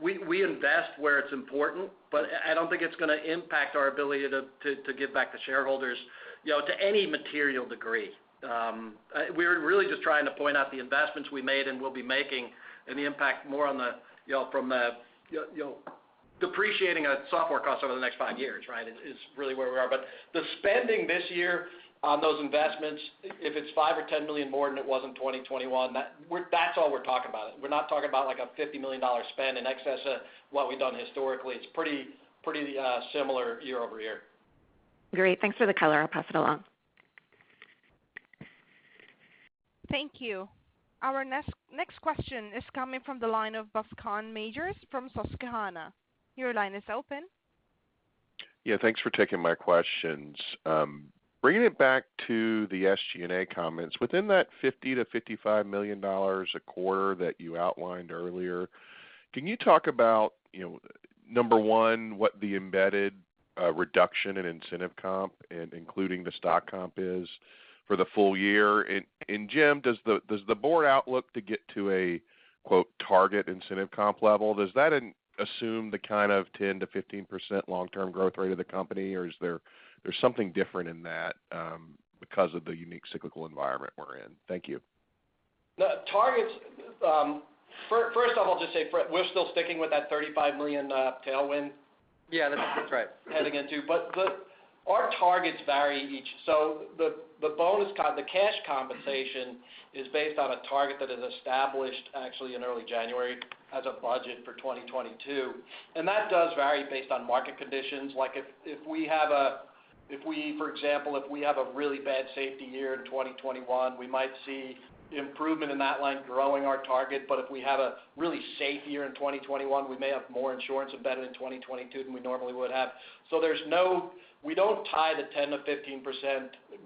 [SPEAKER 2] we invest where it's important, but I don't think it's going to impact our ability to give back to shareholders you know to any material degree. We're really just trying to point out the investments we made and will be making and the impact more on the you know from a you know you know depreciating a software cost over the next five years, right? Is really where we are. The spending this year on those investments, if it's $5 million or $10 million more than it was in 2021, that's all we're talking about. We're not talking about like a $50 million spend in excess of what we've done historically. It's pretty similar year-over-year.
[SPEAKER 6] Great. Thanks for the color. I'll pass it along.
[SPEAKER 1] Thank you. Our next question is coming from the line of Bascome Majors from Susquehanna. Your line is open.
[SPEAKER 7] Yeah, thanks for taking my questions. Bringing it back to the SG&A comments, within that $50 -$55 million a quarter that you outlined earlier, can you talk about, you know, number one, what the embedded reduction in incentive comp and including the stock comp is for the full year? Jim, does the board outlook to get to a quote target incentive comp level, does that assume the kind of 10%-15% long-term growth rate of the company, or is there something different in that because of the unique cyclical environment we're in. Thank you.
[SPEAKER 2] The targets, first of all, just say, Fred, we're still sticking with that $35 million tailwind.
[SPEAKER 3] Yeah, that's right.
[SPEAKER 2] Our targets vary each. The bonus and the cash compensation is based on a target that is established actually in early January as a budget for 2022. That does vary based on market conditions, like if we for example have a really bad safety year in 2021, we might see improvement in that line growing our target. If we have a really safe year in 2021, we may have more insurance embedded in 2022 than we normally would have. We don't tie the 10%-15%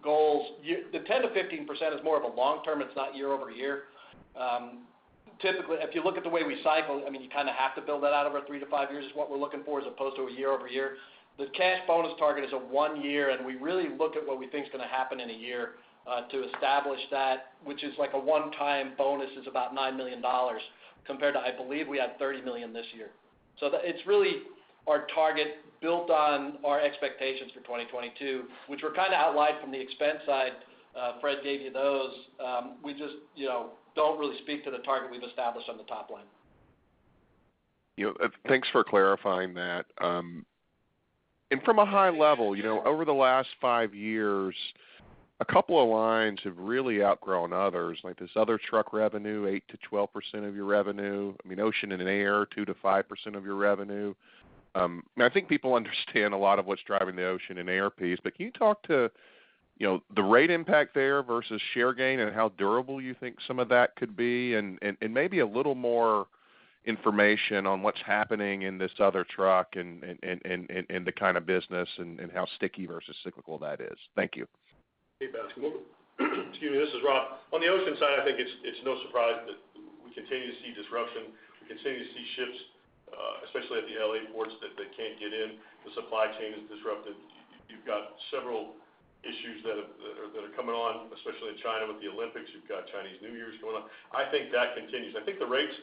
[SPEAKER 2] goals. The 10%-15% is more of a long-term, it's not year-over-year. Typically, if you look at the way we cycle, I mean, you kind of have to build that out over three to five years is what we're looking for, as opposed to a year-over-year. The cash bonus target is a one year, and we really look at what we think is going to happen in a year, to establish that, which is like a one-time bonus, is about $9 million, compared to, I believe, we had $30 million this year. It's really our target built on our expectations for 2022, which were kind of outlined from the expense side. Fred gave you those. We just, you know, don't really speak to the target we've established on the top line.
[SPEAKER 7] You know, thanks for clarifying that. From a high level, you know, over the last five years, a couple of lines have really outgrown others, like this other truck revenue, 8%-12% of your revenue. I mean, ocean and air, 2%-5% of your revenue. Now I think people understand a lot of what's driving the ocean and air piece, but can you talk to, you know, the rate impact there versus share gain and how durable you think some of that could be? Maybe a little more information on what's happening in this other truck and the kind of business and how sticky versus cyclical that is. Thank you.
[SPEAKER 8] Hey, Bascome. Excuse me, this is Rob. On the ocean side, I think it's no surprise that we continue to see disruption. We continue to see ships, especially at the L.A. ports that they can't get in. The supply chain is disrupted. You've got several issues that are coming on, especially in China with the Olympics. You've got Chinese New Year going on. I think that continues. I think the rates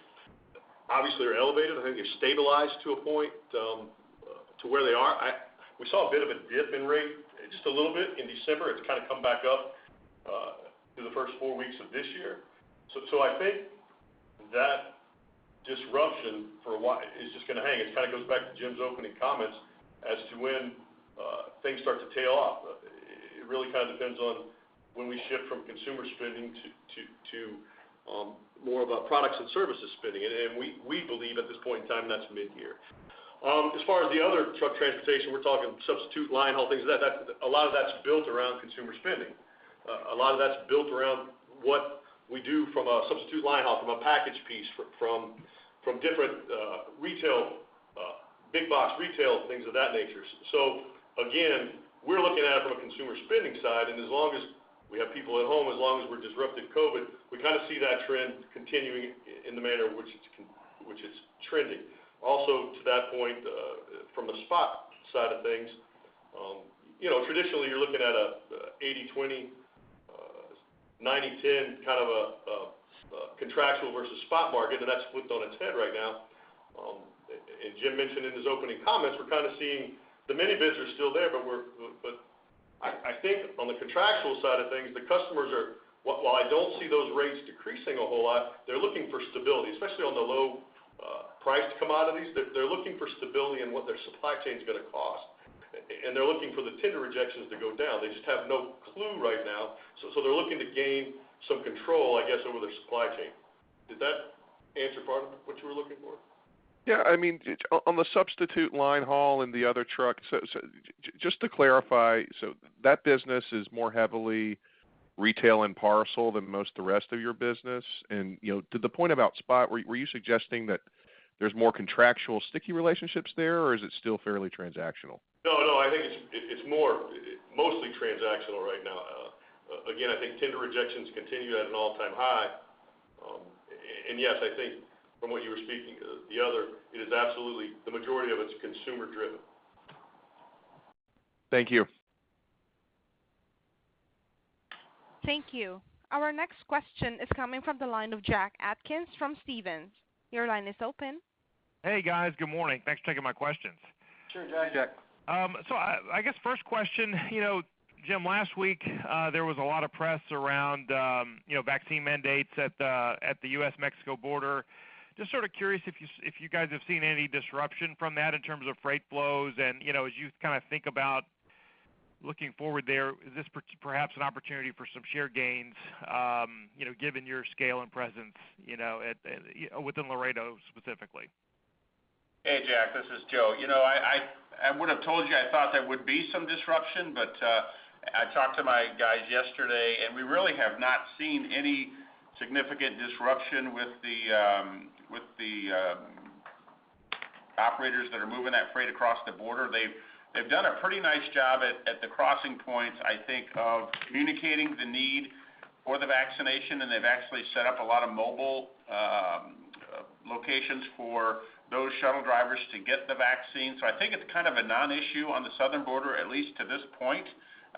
[SPEAKER 8] obviously are elevated. I think they've stabilized to a point, to where they are. We saw a bit of a dip in rate just a little bit in December. It's kind of come back up through the first four weeks of this year. I think that disruption for a while is just going to hang. It kind of goes back to Jim's opening comments as to when things start to tail off. It really kind of depends on when we shift from consumer spending to more of a products and services spending. We believe at this point in time that's mid-year. As far as the other truck transportation, we're talking substitute line haul things. A lot of that's built around consumer spending. A lot of that's built around what we do from a substitute line haul from a package piece from different retail big box retail things of that nature. Again, we're looking at it from a consumer spending side, and as long as we have people at home, as long as we're disrupted by COVID, we kind of see that trend continuing in the manner in which it's trending. Also, to that point, from the spot side of things, you know, traditionally you're looking at a 80/20, 90/10 kind of a contractual versus spot market, and that's flipped on its head right now. Jim mentioned in his opening comments, we're kind of seeing the mini bids are still there, but I think on the contractual side of things, while I don't see those rates decreasing a whole lot, they're looking for stability, especially on the low-priced commodities. They're looking for stability in what their supply chain's going to cost. They're looking for the tender rejections to go down. They just have no clue right now. They're looking to gain some control, I guess, over their supply chain. Did that answer, Bascome Majors, what you were looking for?
[SPEAKER 7] Yeah. I mean, it on the substitute line haul and the other truck, so just to clarify, that business is more heavily retail and parcel than most the rest of your business. You know, to the point about spot, were you suggesting that there's more contractual sticky relationships there, or is it still fairly transactional?
[SPEAKER 8] No, no, I think it's more mostly transactional right now. Again, I think tender rejections continue at an all-time high. Yes, I think from what you were speaking, it is absolutely the majority of it's consumer driven.
[SPEAKER 7] Thank you.
[SPEAKER 1] Thank you. Our next question is coming from the line of Jack Atkins from Stephens. Your line is open.
[SPEAKER 9] Hey, guys. Good morning. Thanks for taking my questions.
[SPEAKER 2] Sure, Jack.
[SPEAKER 3] Jack.
[SPEAKER 9] I guess first question, you know, Jim, last week, there was a lot of press around, you know, vaccine mandates at the U.S.-Mexico border. Just sort of curious if you guys have seen any disruption from that in terms of freight flows and, you know, as you kind of think about looking forward there, is this perhaps an opportunity for some share gains, you know, given your scale and presence, you know, at within Laredo specifically?
[SPEAKER 10] Hey, Jack, this is Joe. You know, I would have told you I thought there would be some disruption, but I talked to my guys yesterday, and we really have not seen any significant disruption with the operators that are moving that freight across the border. They've done a pretty nice job at the crossing points, I think, of communicating the need for the vaccination, and they've actually set up a lot of mobile locations for those shuttle drivers to get the vaccine. So I think it's kind of a non-issue on the southern border, at least to this point.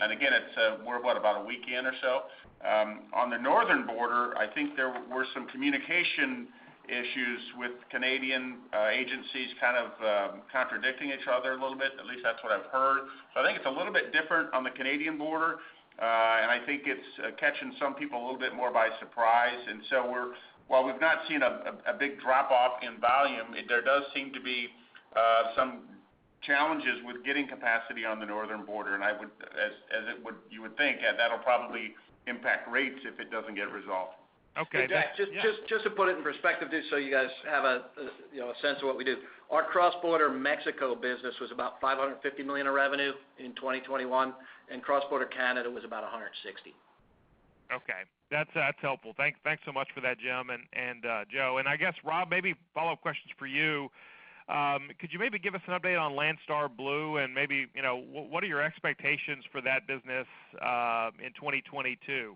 [SPEAKER 10] Again, it's, we're what? About a week in or so. On the northern border, I think there were some communication Issues with Canadian agencies kind of contradicting each other a little bit, at least that's what I've heard. I think it's a little bit different on the Canadian border, and I think it's catching some people a little bit more by surprise. While we've not seen a big drop-off in volume, there does seem to be some challenges with getting capacity on the northern border. As it would, you would think, yeah, that'll probably impact rates if it doesn't get resolved.
[SPEAKER 9] Okay. Yeah.
[SPEAKER 2] Jack, just to put it in perspective just so you guys have a, you know, a sense of what we do. Our cross-border Mexico business was about $550 million of revenue in 2021, and cross-border Canada was about $160 million.
[SPEAKER 9] Okay. That's helpful. Thanks so much for that, Jim and Joe. I guess, Rob, maybe follow-up questions for you. Could you maybe give us an update on Landstar Blue and maybe, you know, what are your expectations for that business in 2022?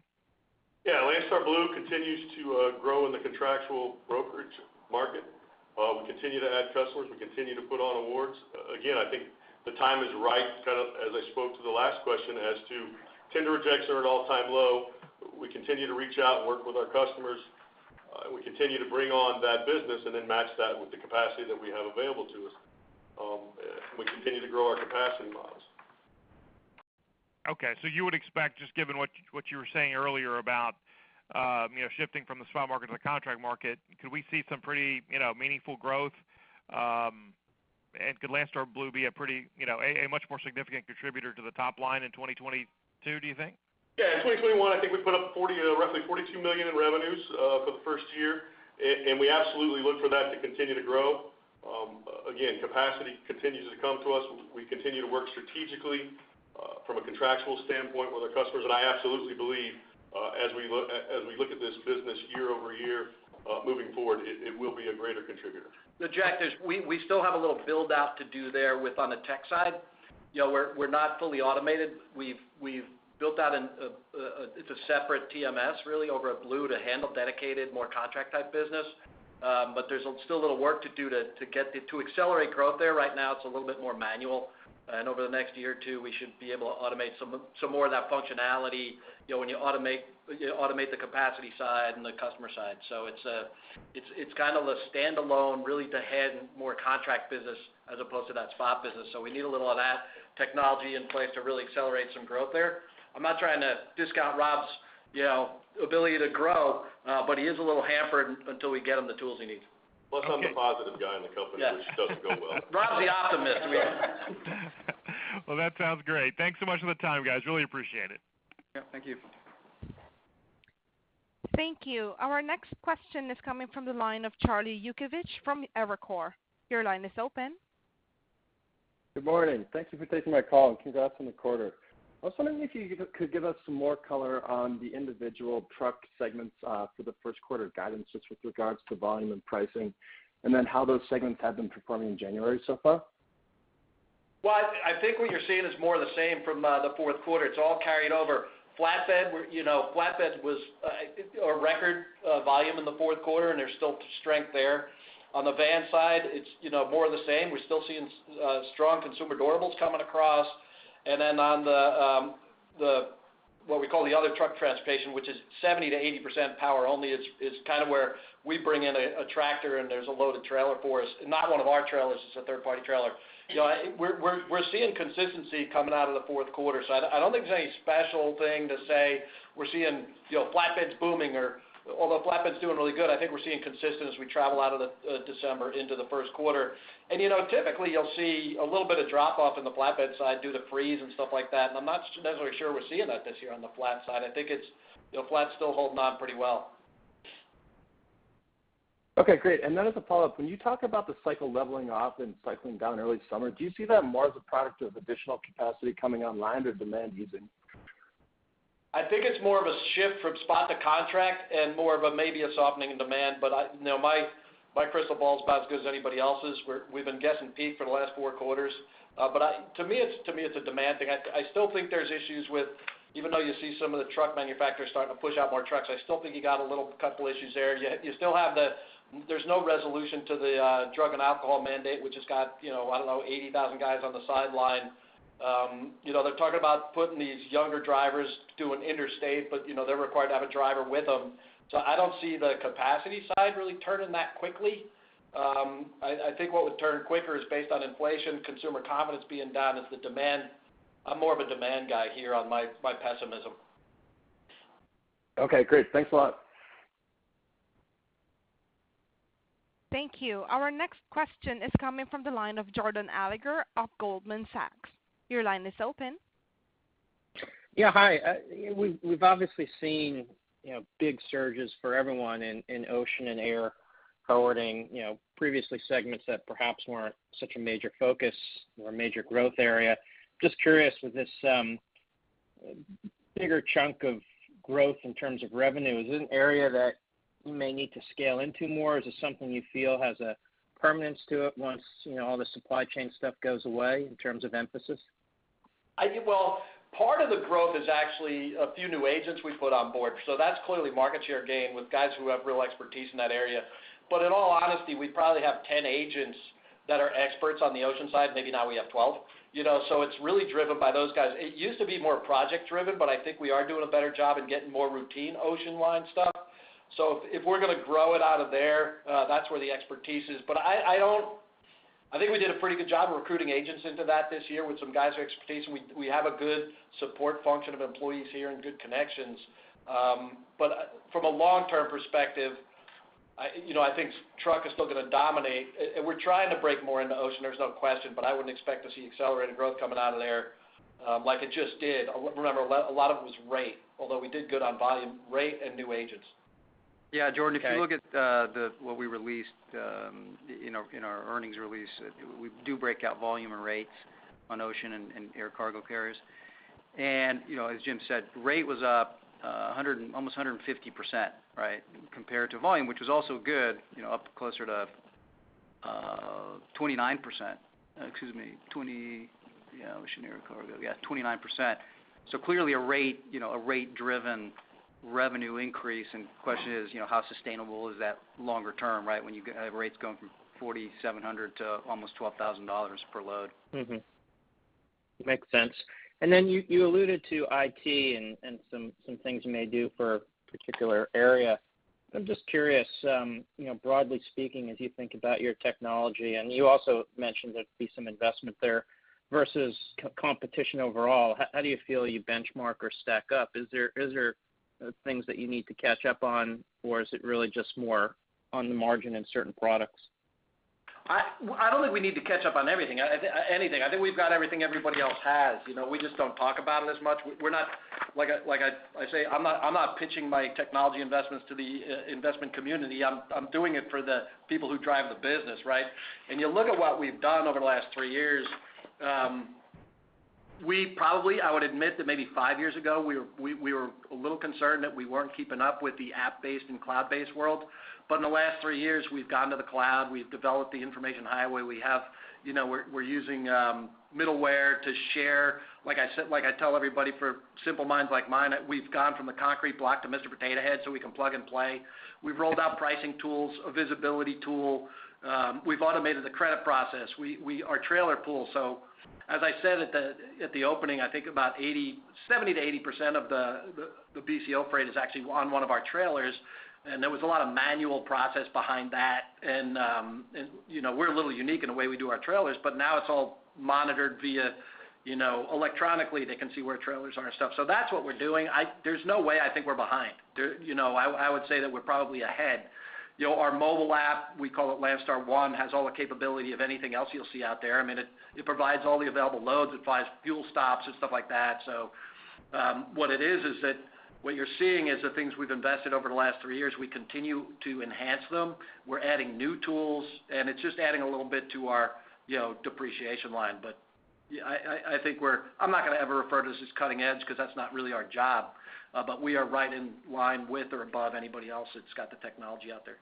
[SPEAKER 8] Yeah. Landstar Blue continues to grow in the contractual brokerage market. We continue to add customers. We continue to put on awards. Again, I think the time is right, kind of as I spoke to the last question as to tender rejects are at all-time low. We continue to reach out and work with our customers. We continue to bring on that business and then match that with the capacity that we have available to us, as we continue to grow our capacity models.
[SPEAKER 9] Okay. You would expect, just given what you were saying earlier about, you know, shifting from the spot market to the contract market, could we see some pretty, you know, meaningful growth? Could Landstar Blue be a pretty, you know, a much more significant contributor to the top line in 2022, do you think?
[SPEAKER 8] Yeah. In 2021, I think we put up roughly $42 million in revenues for the first year. We absolutely look for that to continue to grow. Again, capacity continues to come to us. We continue to work strategically from a contractual standpoint with our customers. I absolutely believe as we look at this business year-over-year moving forward, it will be a greater contributor.
[SPEAKER 2] No, Jack, we still have a little build out to do there with the tech side. You know, we're not fully automated. We've built out. It's a separate TMS really over at Blue to handle dedicated more contract type business. But there's still a little work to do to accelerate growth there. Right now it's a little bit more manual. Over the next year or two, we should be able to automate some more of that functionality, you know, when you automate the capacity side and the customer side. It's kind of a standalone really to handle more contract business as opposed to that spot business. We need a little of that technology in place to really accelerate some growth there. I'm not trying to discount Rob's, you know, ability to grow, but he is a little hampered until we get him the tools he needs.
[SPEAKER 8] Plus, I'm the positive guy in the company.
[SPEAKER 2] Yeah.
[SPEAKER 8] which doesn't go well.
[SPEAKER 2] Rob's the optimist. We know that.
[SPEAKER 9] Well, that sounds great. Thanks so much for the time, guys. Really appreciate it.
[SPEAKER 8] Yeah, thank you.
[SPEAKER 1] Thank you. Our next question is coming from the line of Jonathan Chappell from Evercore ISI. Your line is open.
[SPEAKER 11] Good morning. Thank you for taking my call, and congrats on the quarter. I was wondering if you could give us some more color on the individual truck segments for the Q1 guidance just with regards to volume and pricing, and then how those segments have been performing in January so far.
[SPEAKER 2] I think what you're seeing is more of the same from the Q4. It's all carried over. Flatbed was, you know, a record volume in the Q4, and there's still strength there. On the van side, it's, you know, more of the same. We're still seeing strong consumer durables coming across. Then on the what we call the other truck transportation, which is 70%-80% power only, is kind of where we bring in a tractor and there's a loaded trailer for us, not one of our trailers, it's a third-party trailer. You know, we're seeing consistency coming out of the Q4. I don't think there's any special thing to say we're seeing, you know, flatbeds booming or. Although flatbed's doing really good, I think we're seeing consistency as we travel out of the December into the Q1. You know, typically you'll see a little bit of drop-off in the flatbed side due to freeze and stuff like that, and I'm not necessarily sure we're seeing that this year on the flat side. I think it's, you know, flat's still holding on pretty well.
[SPEAKER 11] Okay, great. As a follow-up, when you talk about the cycle leveling off and cycling down early summer, do you see that more as a product of additional capacity coming online or demand easing?
[SPEAKER 2] I think it's more of a shift from spot to contract and more of a maybe softening in demand. You know, my crystal ball's about as good as anybody else's. We've been guessing peak for the last four quarters. To me, it's a demand thing. I still think there's issues, even though you see some of the truck manufacturers starting to push out more trucks. I still think you got a couple little issues there. There's no resolution to the Drug and Alcohol Clearinghouse, which has got 80,000 guys on the sideline. They're talking about putting these younger drivers doing interstate, but they're required to have a driver with them. I don't see the capacity side really turning that quickly. I think what would turn quicker is based on inflation, consumer confidence being down. It's the demand. I'm more of a demand guy here on my pessimism.
[SPEAKER 11] Okay, great. Thanks a lot.
[SPEAKER 1] Thank you. Our next question is coming from the line of Jordan Alliger of Goldman Sachs. Your line is open.
[SPEAKER 12] Yeah. Hi. We've obviously seen, you know, big surges for everyone in ocean and air forwarding, you know, previous segments that perhaps weren't such a major focus or a major growth area. Just curious with this bigger chunk of growth in terms of revenue, is it an area that you may need to scale into more, or is it something you feel has a permanence to it once, you know, all the supply chain stuff goes away in terms of emphasis?
[SPEAKER 2] I think, well, part of the growth is actually a few new agents we put on board. That's clearly market share gain with guys who have real expertise in that area. In all, we probably have 10 agents that are experts on the ocean side. Maybe now we have 12, you know, so it's really driven by those guys. It used to be more project-driven, but I think we are doing a better job in getting more routine ocean line stuff. If we're going to grow it out of there, that's where the expertise is. I think we did a pretty good job of recruiting agents into that this year with some guys with expertise. We have a good support function of employees here and good connections. From a long-term perspective, I, you know, I think truck is still going to dominate. We're trying to break more into ocean, there's no question, but I wouldn't expect to see accelerated growth coming out of there, like it just did. Remember, a lot of it was rate, although we did good on volume, rate, and new agents.
[SPEAKER 3] Yeah, Jordan.
[SPEAKER 2] Okay.
[SPEAKER 3] If you look at what we released in our earnings release, we do break out volume and rates on ocean and air cargo carriers. You know, as Jim said, rate was up almost 150%, right, compared to volume, which was also good, you know, up closer to 29%. Excuse me, 29%. Yeah, ocean air cargo. Yeah, 29%. So clearly a rate, you know, a rate-driven revenue increase. The question is, you know, how sustainable is that longer term, right? When rates going from $4,700 to almost $12,000 per load.
[SPEAKER 2] Mm-hmm.
[SPEAKER 12] Makes sense. Then you alluded to IT and some things you may do for a particular area. I'm just curious, you know, broadly speaking, as you think about your technology, and you also mentioned there'd be some investment there versus competition overall, how do you feel you benchmark or stack up? Is there things that you need to catch up on, or is it really just more on the margin in certain products?
[SPEAKER 2] Well, I don't think we need to catch up on everything. I think anything. I think we've got everything everybody else has. You know, we just don't talk about it as much. We're not, like I say, I'm not pitching my technology investments to the investment community. I'm doing it for the people who drive the business, right? You look at what we've done over the last three years, we probably. I would admit that maybe five years ago, we were a little concerned that we weren't keeping up with the app-based and cloud-based world. In the last three years, we've gone to the cloud. We've developed the information highway. We have, you know, we're using middleware to share. Like I said, like I tell everybody, for simple minds like mine, we've gone from the concrete block to Mr. Potato Head, so we can plug and play. We've rolled out pricing tools, a visibility tool. We've automated the credit process, our trailer pool. As I said at the opening, I think about 70%-80% of the BCO freight is actually on one of our trailers, and there was a lot of manual process behind that. You know, we're a little unique in the way we do our trailers, but now it's all monitored via, you know, electronically, they can see where trailers are and stuff. That's what we're doing. There's no way I think we're behind. You know, I would say that we're probably ahead. You know, our mobile app, we call it LandstarOne, has all the capability of anything else you'll see out there. I mean, it provides all the available loads. It provides fuel stops and stuff like that. What it is that what you're seeing is the things we've invested over the last three years. We continue to enhance them. We're adding new tools, and it's just adding a little bit to our, you know, depreciation line. Yeah, I think I'm not going to ever refer to this as cutting edge because that's not really our job. We are right in line with or above anybody else that's got the technology out there.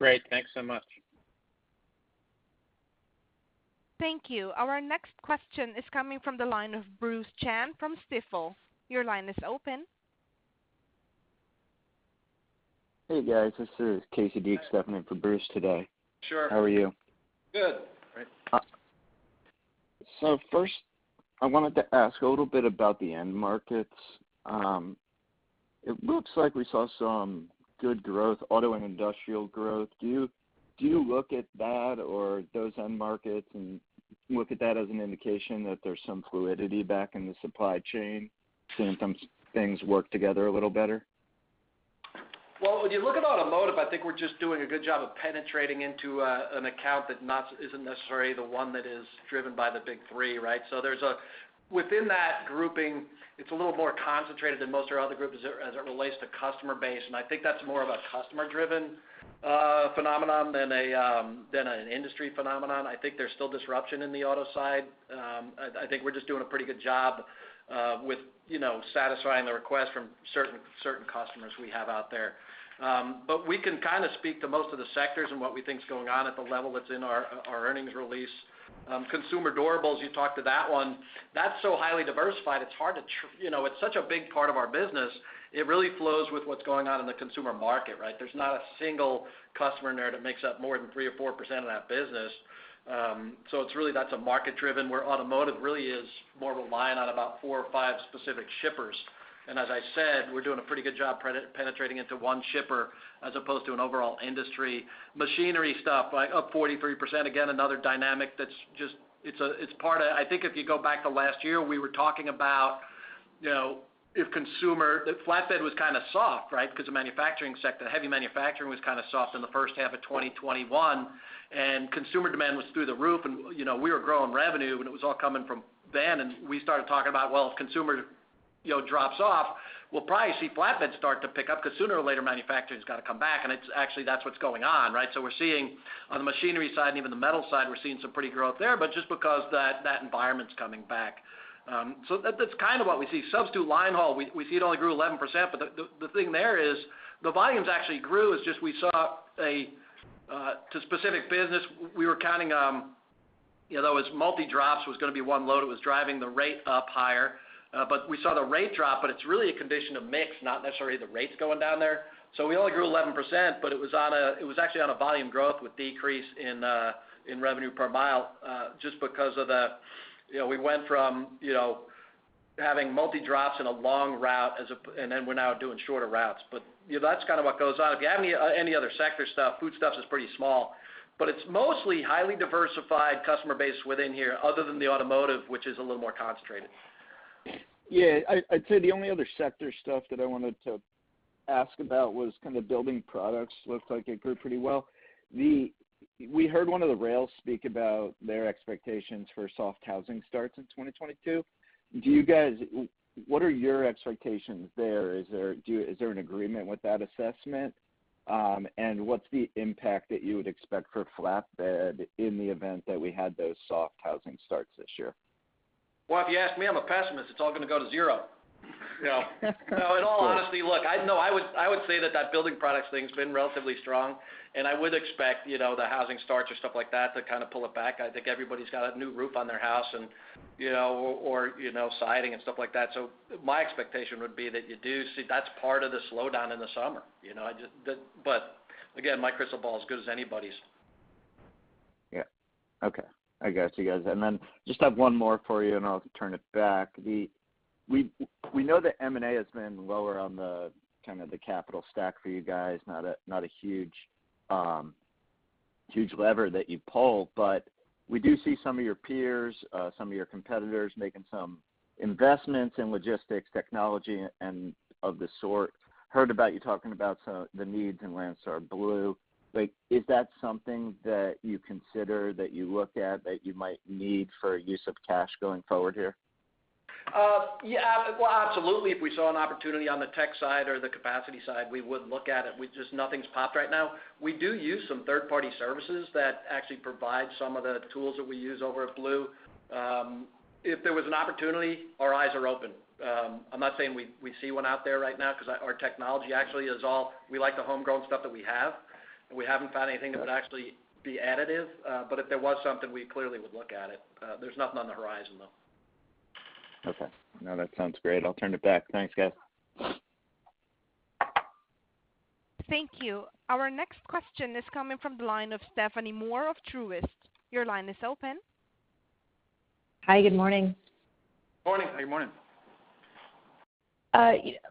[SPEAKER 12] Great. Thanks so much.
[SPEAKER 1] Thank you. Our next question is coming from the line of Bruce Chan from Stifel. Your line is open.
[SPEAKER 13] Hey, guys, this is Casey Deak stepping in for Bruce today.
[SPEAKER 2] Sure.
[SPEAKER 13] How are you?
[SPEAKER 2] Good.
[SPEAKER 13] Great. First, I wanted to ask a little bit about the end markets. It looks like we saw some good growth, auto and industrial growth. Do you look at that or those end markets and look at that as an indication that there's some fluidity back in the supply chain, seeing some things work together a little better?
[SPEAKER 2] Well, when you look at automotive, I think we're just doing a good job of penetrating into an account that isn't necessarily the one that is driven by the Big Three, right? Within that grouping, it's a little more concentrated than most of our other groups as it relates to customer base. I think that's more of a customer-driven phenomenon than an industry phenomenon. I think there's still disruption in the auto side. I think we're just doing a pretty good job with you know satisfying the request from certain customers we have out there. We can kind of speak to most of the sectors and what we think is going on at the level that's in our earnings release. Consumer durables, you talked to that one. That's so highly diversified, you know, it's such a big part of our business, it really flows with what's going on in the consumer market, right? There's not a single customer in there that makes up more than 3% or 4% of that business. So it's really market-driven, where automotive really is more reliant on about four or five specific shippers. As I said, we're doing a pretty good job penetrating into one shipper as opposed to an overall industry. Machinery stuff, like up 43%, again, another dynamic that's just part of. I think if you go back to last year, we were talking about, you know, if consumer, if flatbed was kind of soft, right? Because the manufacturing sector, heavy manufacturing was kind of soft in the H1 of 2021, and consumer demand was through the roof. You know, we were growing revenue, and it was all coming from van. We started talking about, well, if consumer, you know, drops off, we'll probably see flatbed start to pick up because sooner or later, manufacturing's got to come back. It's actually, that's what's going on, right? We're seeing on the machinery side and even the metal side, we're seeing some pretty growth there, but just because that environment's coming back. That's kind of what we see. Substitute line haul, we see it only grew 11%, but the thing there is the volumes actually grew. It's just we saw it in specific business. We were counting. You know, those multi-drops was going to be one load. It was driving the rate up higher. We saw the rate drop, but it's really a condition of mix, not necessarily the rates going down there. We only grew 11%, but it was actually on a volume growth with decrease in revenue per mile, just because of the. You know, we went from, you know, having multi-drops in a long route, and then we're now doing shorter routes. You know, that's kind of what goes on. If you have any other sector stuff, food stuffs is pretty small. It's mostly highly diversified customer base within here other than the automotive, which is a little more concentrated.
[SPEAKER 13] I'd say the only other sector stuff that I wanted to ask about was kind of building products looked like it grew pretty well. We heard one of the rails speak about their expectations for soft housing starts in 2022. What are your expectations there? Is there an agreement with that assessment? And what's the impact that you would expect for flatbed in the event that we had those soft housing starts this year?
[SPEAKER 2] Well, if you ask me, I'm a pessimist. It's all going to go to zero. You know? No, in all honesty, look, I would say that building products thing's been relatively strong, and I would expect, you know, the housing starts or stuff like that to kind of pull it back. I think everybody's got a new roof on their house and, you know, or, you know, siding and stuff like that. So my expectation would be that you do see that's part of the slowdown in the summer, you know. Again, my crystal ball is as good as anybody's.
[SPEAKER 13] Yeah. Okay. I got you guys. I just have one more for you, and I'll turn it back. We know that M&A has been lower on the kind of the capital stack for you guys, not a huge lever that you pull, but we do see some of your peers, some of your competitors making some investments in logistics, technology, and of the sort. I heard about you talking about some of the needs in Landstar Blue. Like, is that something that you consider, that you look at, that you might need for use of cash going forward here?
[SPEAKER 2] Yeah. Well, absolutely, if we saw an opportunity on the tech side or the capacity side, we would look at it. We just nothing's popped right now. We do use some third-party services that actually provide some of the tools that we use over at Blue. If there was an opportunity, our eyes are open. I'm not saying we see one out there right now 'cause our technology actually is all we like the homegrown stuff that we have, and we haven't found anything that would actually be additive. But if there was something, we clearly would look at it. There's nothing on the horizon, though.
[SPEAKER 13] Okay. No, that sounds great. I'll turn it back. Thanks, guys.
[SPEAKER 1] Thank you. Our next question is coming from the line of Stephanie Moore of Truist Securities. Your line is open.
[SPEAKER 14] Hi. Good morning.
[SPEAKER 2] Morning.
[SPEAKER 3] Good morning.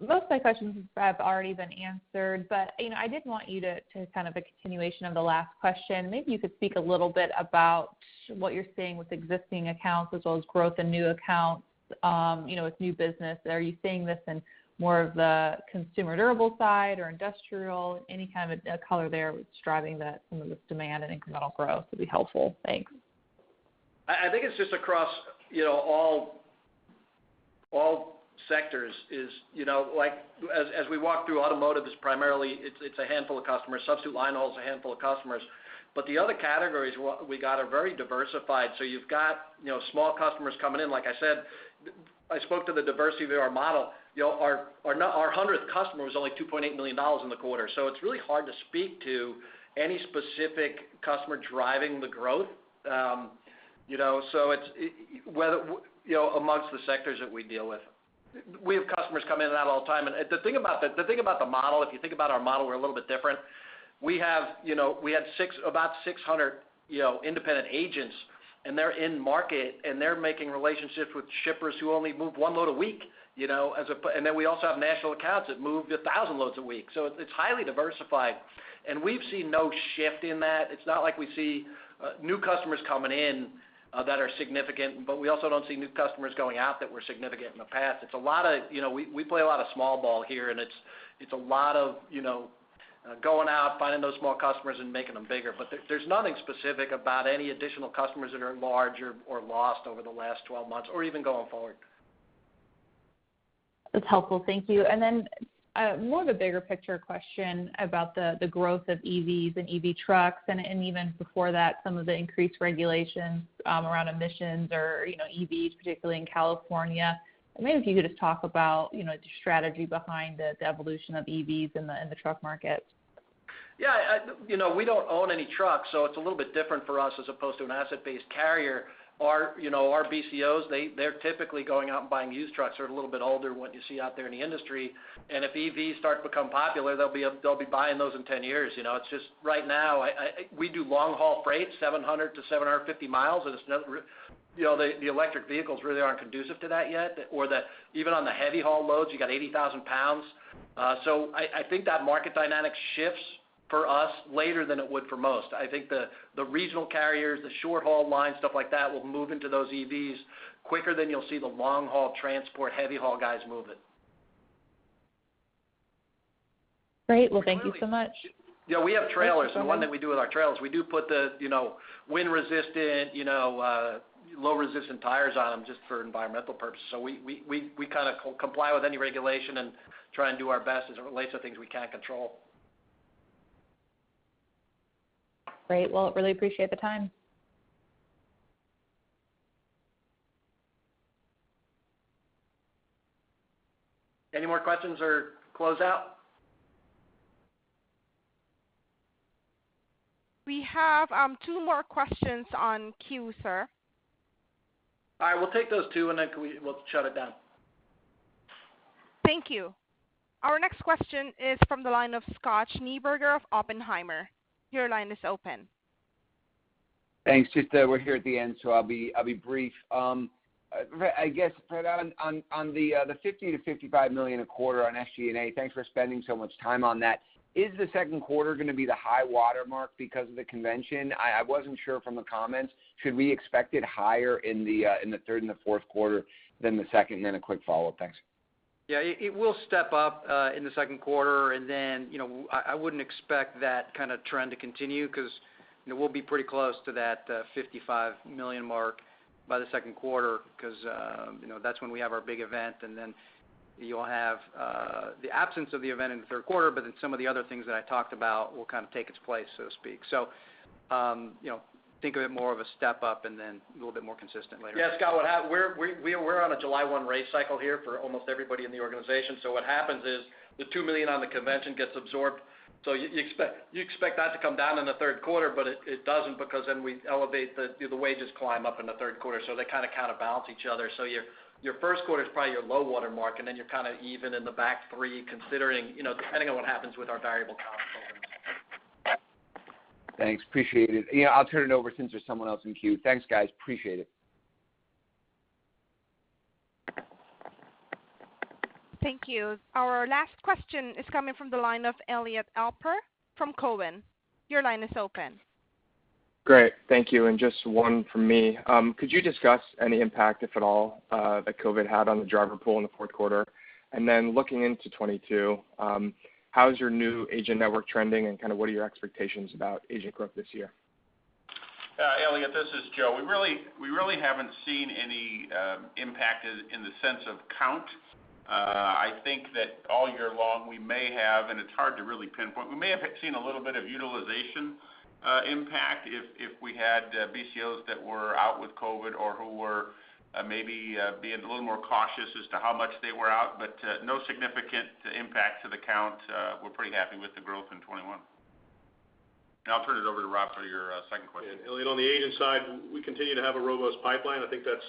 [SPEAKER 14] Most of my questions have already been answered, but you know, I did want you to kind of as a continuation of the last question, maybe you could speak a little bit about what you're seeing with existing accounts as well as growth in new accounts, you know, with new business. Are you seeing this in more of the consumer durable side or industrial? Any kind of a color there driving some of this demand and incremental growth would be helpful. Thanks.
[SPEAKER 2] I think it's just across, you know, all sectors is, you know. Like, as we walk through automotive is primarily it's a handful of customers. Substitute line haul is a handful of customers. The other categories we got are very diversified. So you've got, you know, small customers coming in, like I said. I spoke to the diversity of our model. You know, our hundredth customer was only $2.8 million in the quarter. It's really hard to speak to any specific customer driving the growth, you know, so it's whether, you know, amongst the sectors that we deal with. We have customers come in and out all the time, and the thing about the model, if you think about our model, we're a little bit different. We have about 600, you know, independent agents, and they're in market, and they're making relationships with shippers who only move one load a week, you know. We also have national accounts that move 1,000 loads a week. It's highly diversified. We've seen no shift in that. It's not like we see new customers coming in that are significant, but we also don't see new customers going out that were significant in the past. It's a lot of you know, we play a lot of small ball here, and it's a lot of you know, going out, finding those small customers and making them bigger. There's nothing specific about any additional customers that are large or lost over the last 12 months or even going forward.
[SPEAKER 14] That's helpful. Thank you. Then, more of a bigger picture question about the growth of EVs and EV trucks and even before that, some of the increased regulations around emissions or, you know, EVs, particularly in California. Maybe if you could just talk about, you know, just strategy behind the evolution of EVs in the truck market.
[SPEAKER 2] Yeah. You know, we don't own any trucks, so it's a little bit different for us as opposed to an asset-based carrier. Our, you know, our BCOs, they're typically going out and buying used trucks that are a little bit older than what you see out there in the industry. If EVs start to become popular, they'll be buying those in 10 years, you know. It's just right now we do long haul freight, 700-750 miles, and it's not, you know, the electric vehicles really aren't conducive to that yet or even on the heavy haul loads, you got 80,000 pounds. So I think that market dynamic shifts for us later than it would for most. I think the regional carriers, the short haul lines, stuff like that, will move into those EVs quicker than you'll see the long haul transport heavy haul guys move it.
[SPEAKER 14] Great. Well, thank you so much.
[SPEAKER 2] Yeah. We have trailers, and one thing we do with our trailers, we do put the, you know, wind resistant, you know, low-resistance tires on them just for environmental purposes. So we kind of comply with any regulation and try and do our best as it relates to things we can't control.
[SPEAKER 14] Great. Well, I really appreciate the time.
[SPEAKER 2] Any more questions or close out?
[SPEAKER 1] We have two more questions in the queue, sir.
[SPEAKER 2] All right, we'll take those two and then we'll shut it down.
[SPEAKER 1] Thank you. Our next question is from the line of Scott Schneeberger of Oppenheimer. Your line is open.
[SPEAKER 15] Thanks. Just, we're here at the end, so I'll be brief. I guess, Fred, on the $50-$55 million a quarter on SG&A, thanks for spending so much time on that. Is the Q2 going to be the high watermark because of the convention? I wasn't sure from the comments. Should we expect it higher in the third and the Q4 than the second? Then a quick follow-up. Thanks.
[SPEAKER 3] Yeah, it will step up in the Q2 and then, you know, I wouldn't expect that kind of trend to continue 'cause, you know, we'll be pretty close to that $55 million mark by the Q2 'cause, you know, that's when we have our big event. Then you'll have the absence of the event in the Q3, but then some of the other things that I talked about will kind of take its place, so to speak. You know, think of it more of a step up and then a little bit more consistent later.
[SPEAKER 2] Yeah, Scott, we're on a July 1st raise cycle here for almost everybody in the organization. What happens is the $2 million in compensation gets absorbed. You expect that to come down in the Q3, but it doesn't because then we elevate the wages climb up in the Q3, so they kind of counter balance each other. Your Q1 is probably your low water mark, and then you're kind of even in the back three, considering, you know, depending on what happens with our variable comp programs.
[SPEAKER 15] Thanks, appreciate it. Yeah, I'll turn it over since there's someone else in queue. Thanks, guys. Appreciate it.
[SPEAKER 1] Thank you. Our last question is coming from the line of Elliot Alper from TD Cowen. Your line is open.
[SPEAKER 16] Great. Thank you, and just one from me. Could you discuss any impact, if at all, that COVID had on the driver pool in the Q4? Looking into 2022, how's your new agent network trending and kind of what are your expectations about agent growth this year?
[SPEAKER 10] Elliot, this is Joe. We really haven't seen any impact in the sense of count. I think that all year long we may have, and it's hard to really pinpoint, we may have seen a little bit of utilization impact if we had BCOs that were out with COVID or who were maybe being a little more cautious as to how much they were out, but no significant impact to the count. We're pretty happy with the growth in 2021. I'll turn it over to Rob for your second question.
[SPEAKER 8] Yeah. Elliot, on the agent side, we continue to have a robust pipeline. I think that's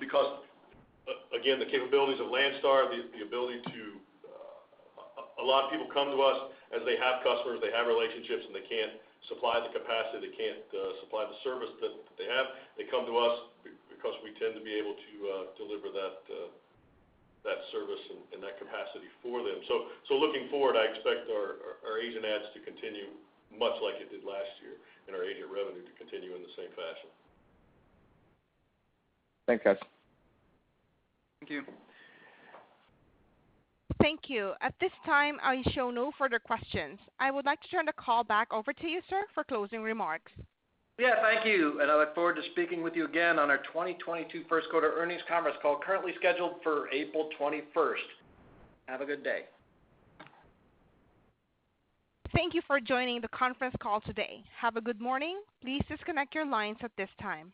[SPEAKER 8] because again, the capabilities of Landstar, the ability to, a lot of people come to us as they have customers, they have relationships, and they can't supply the capacity, they can't supply the service that they have. They come to us because we tend to be able to deliver that service and that capacity for them. Looking forward, I expect our agent adds to continue much like it did last year and our agent revenue to continue in the same fashion.
[SPEAKER 16] Thanks, guys.
[SPEAKER 2] Thank you.
[SPEAKER 1] Thank you. At this time, I show no further questions. I would like to turn the call back over to you, sir, for closing remarks.
[SPEAKER 2] Yeah, thank you, and I look forward to speaking with you again on our 2022 Q1 earnings conference call, currently scheduled for April 21st. Have a good day.
[SPEAKER 1] Thank you for joining the conference call today. Have a good morning. Please disconnect your lines at this time.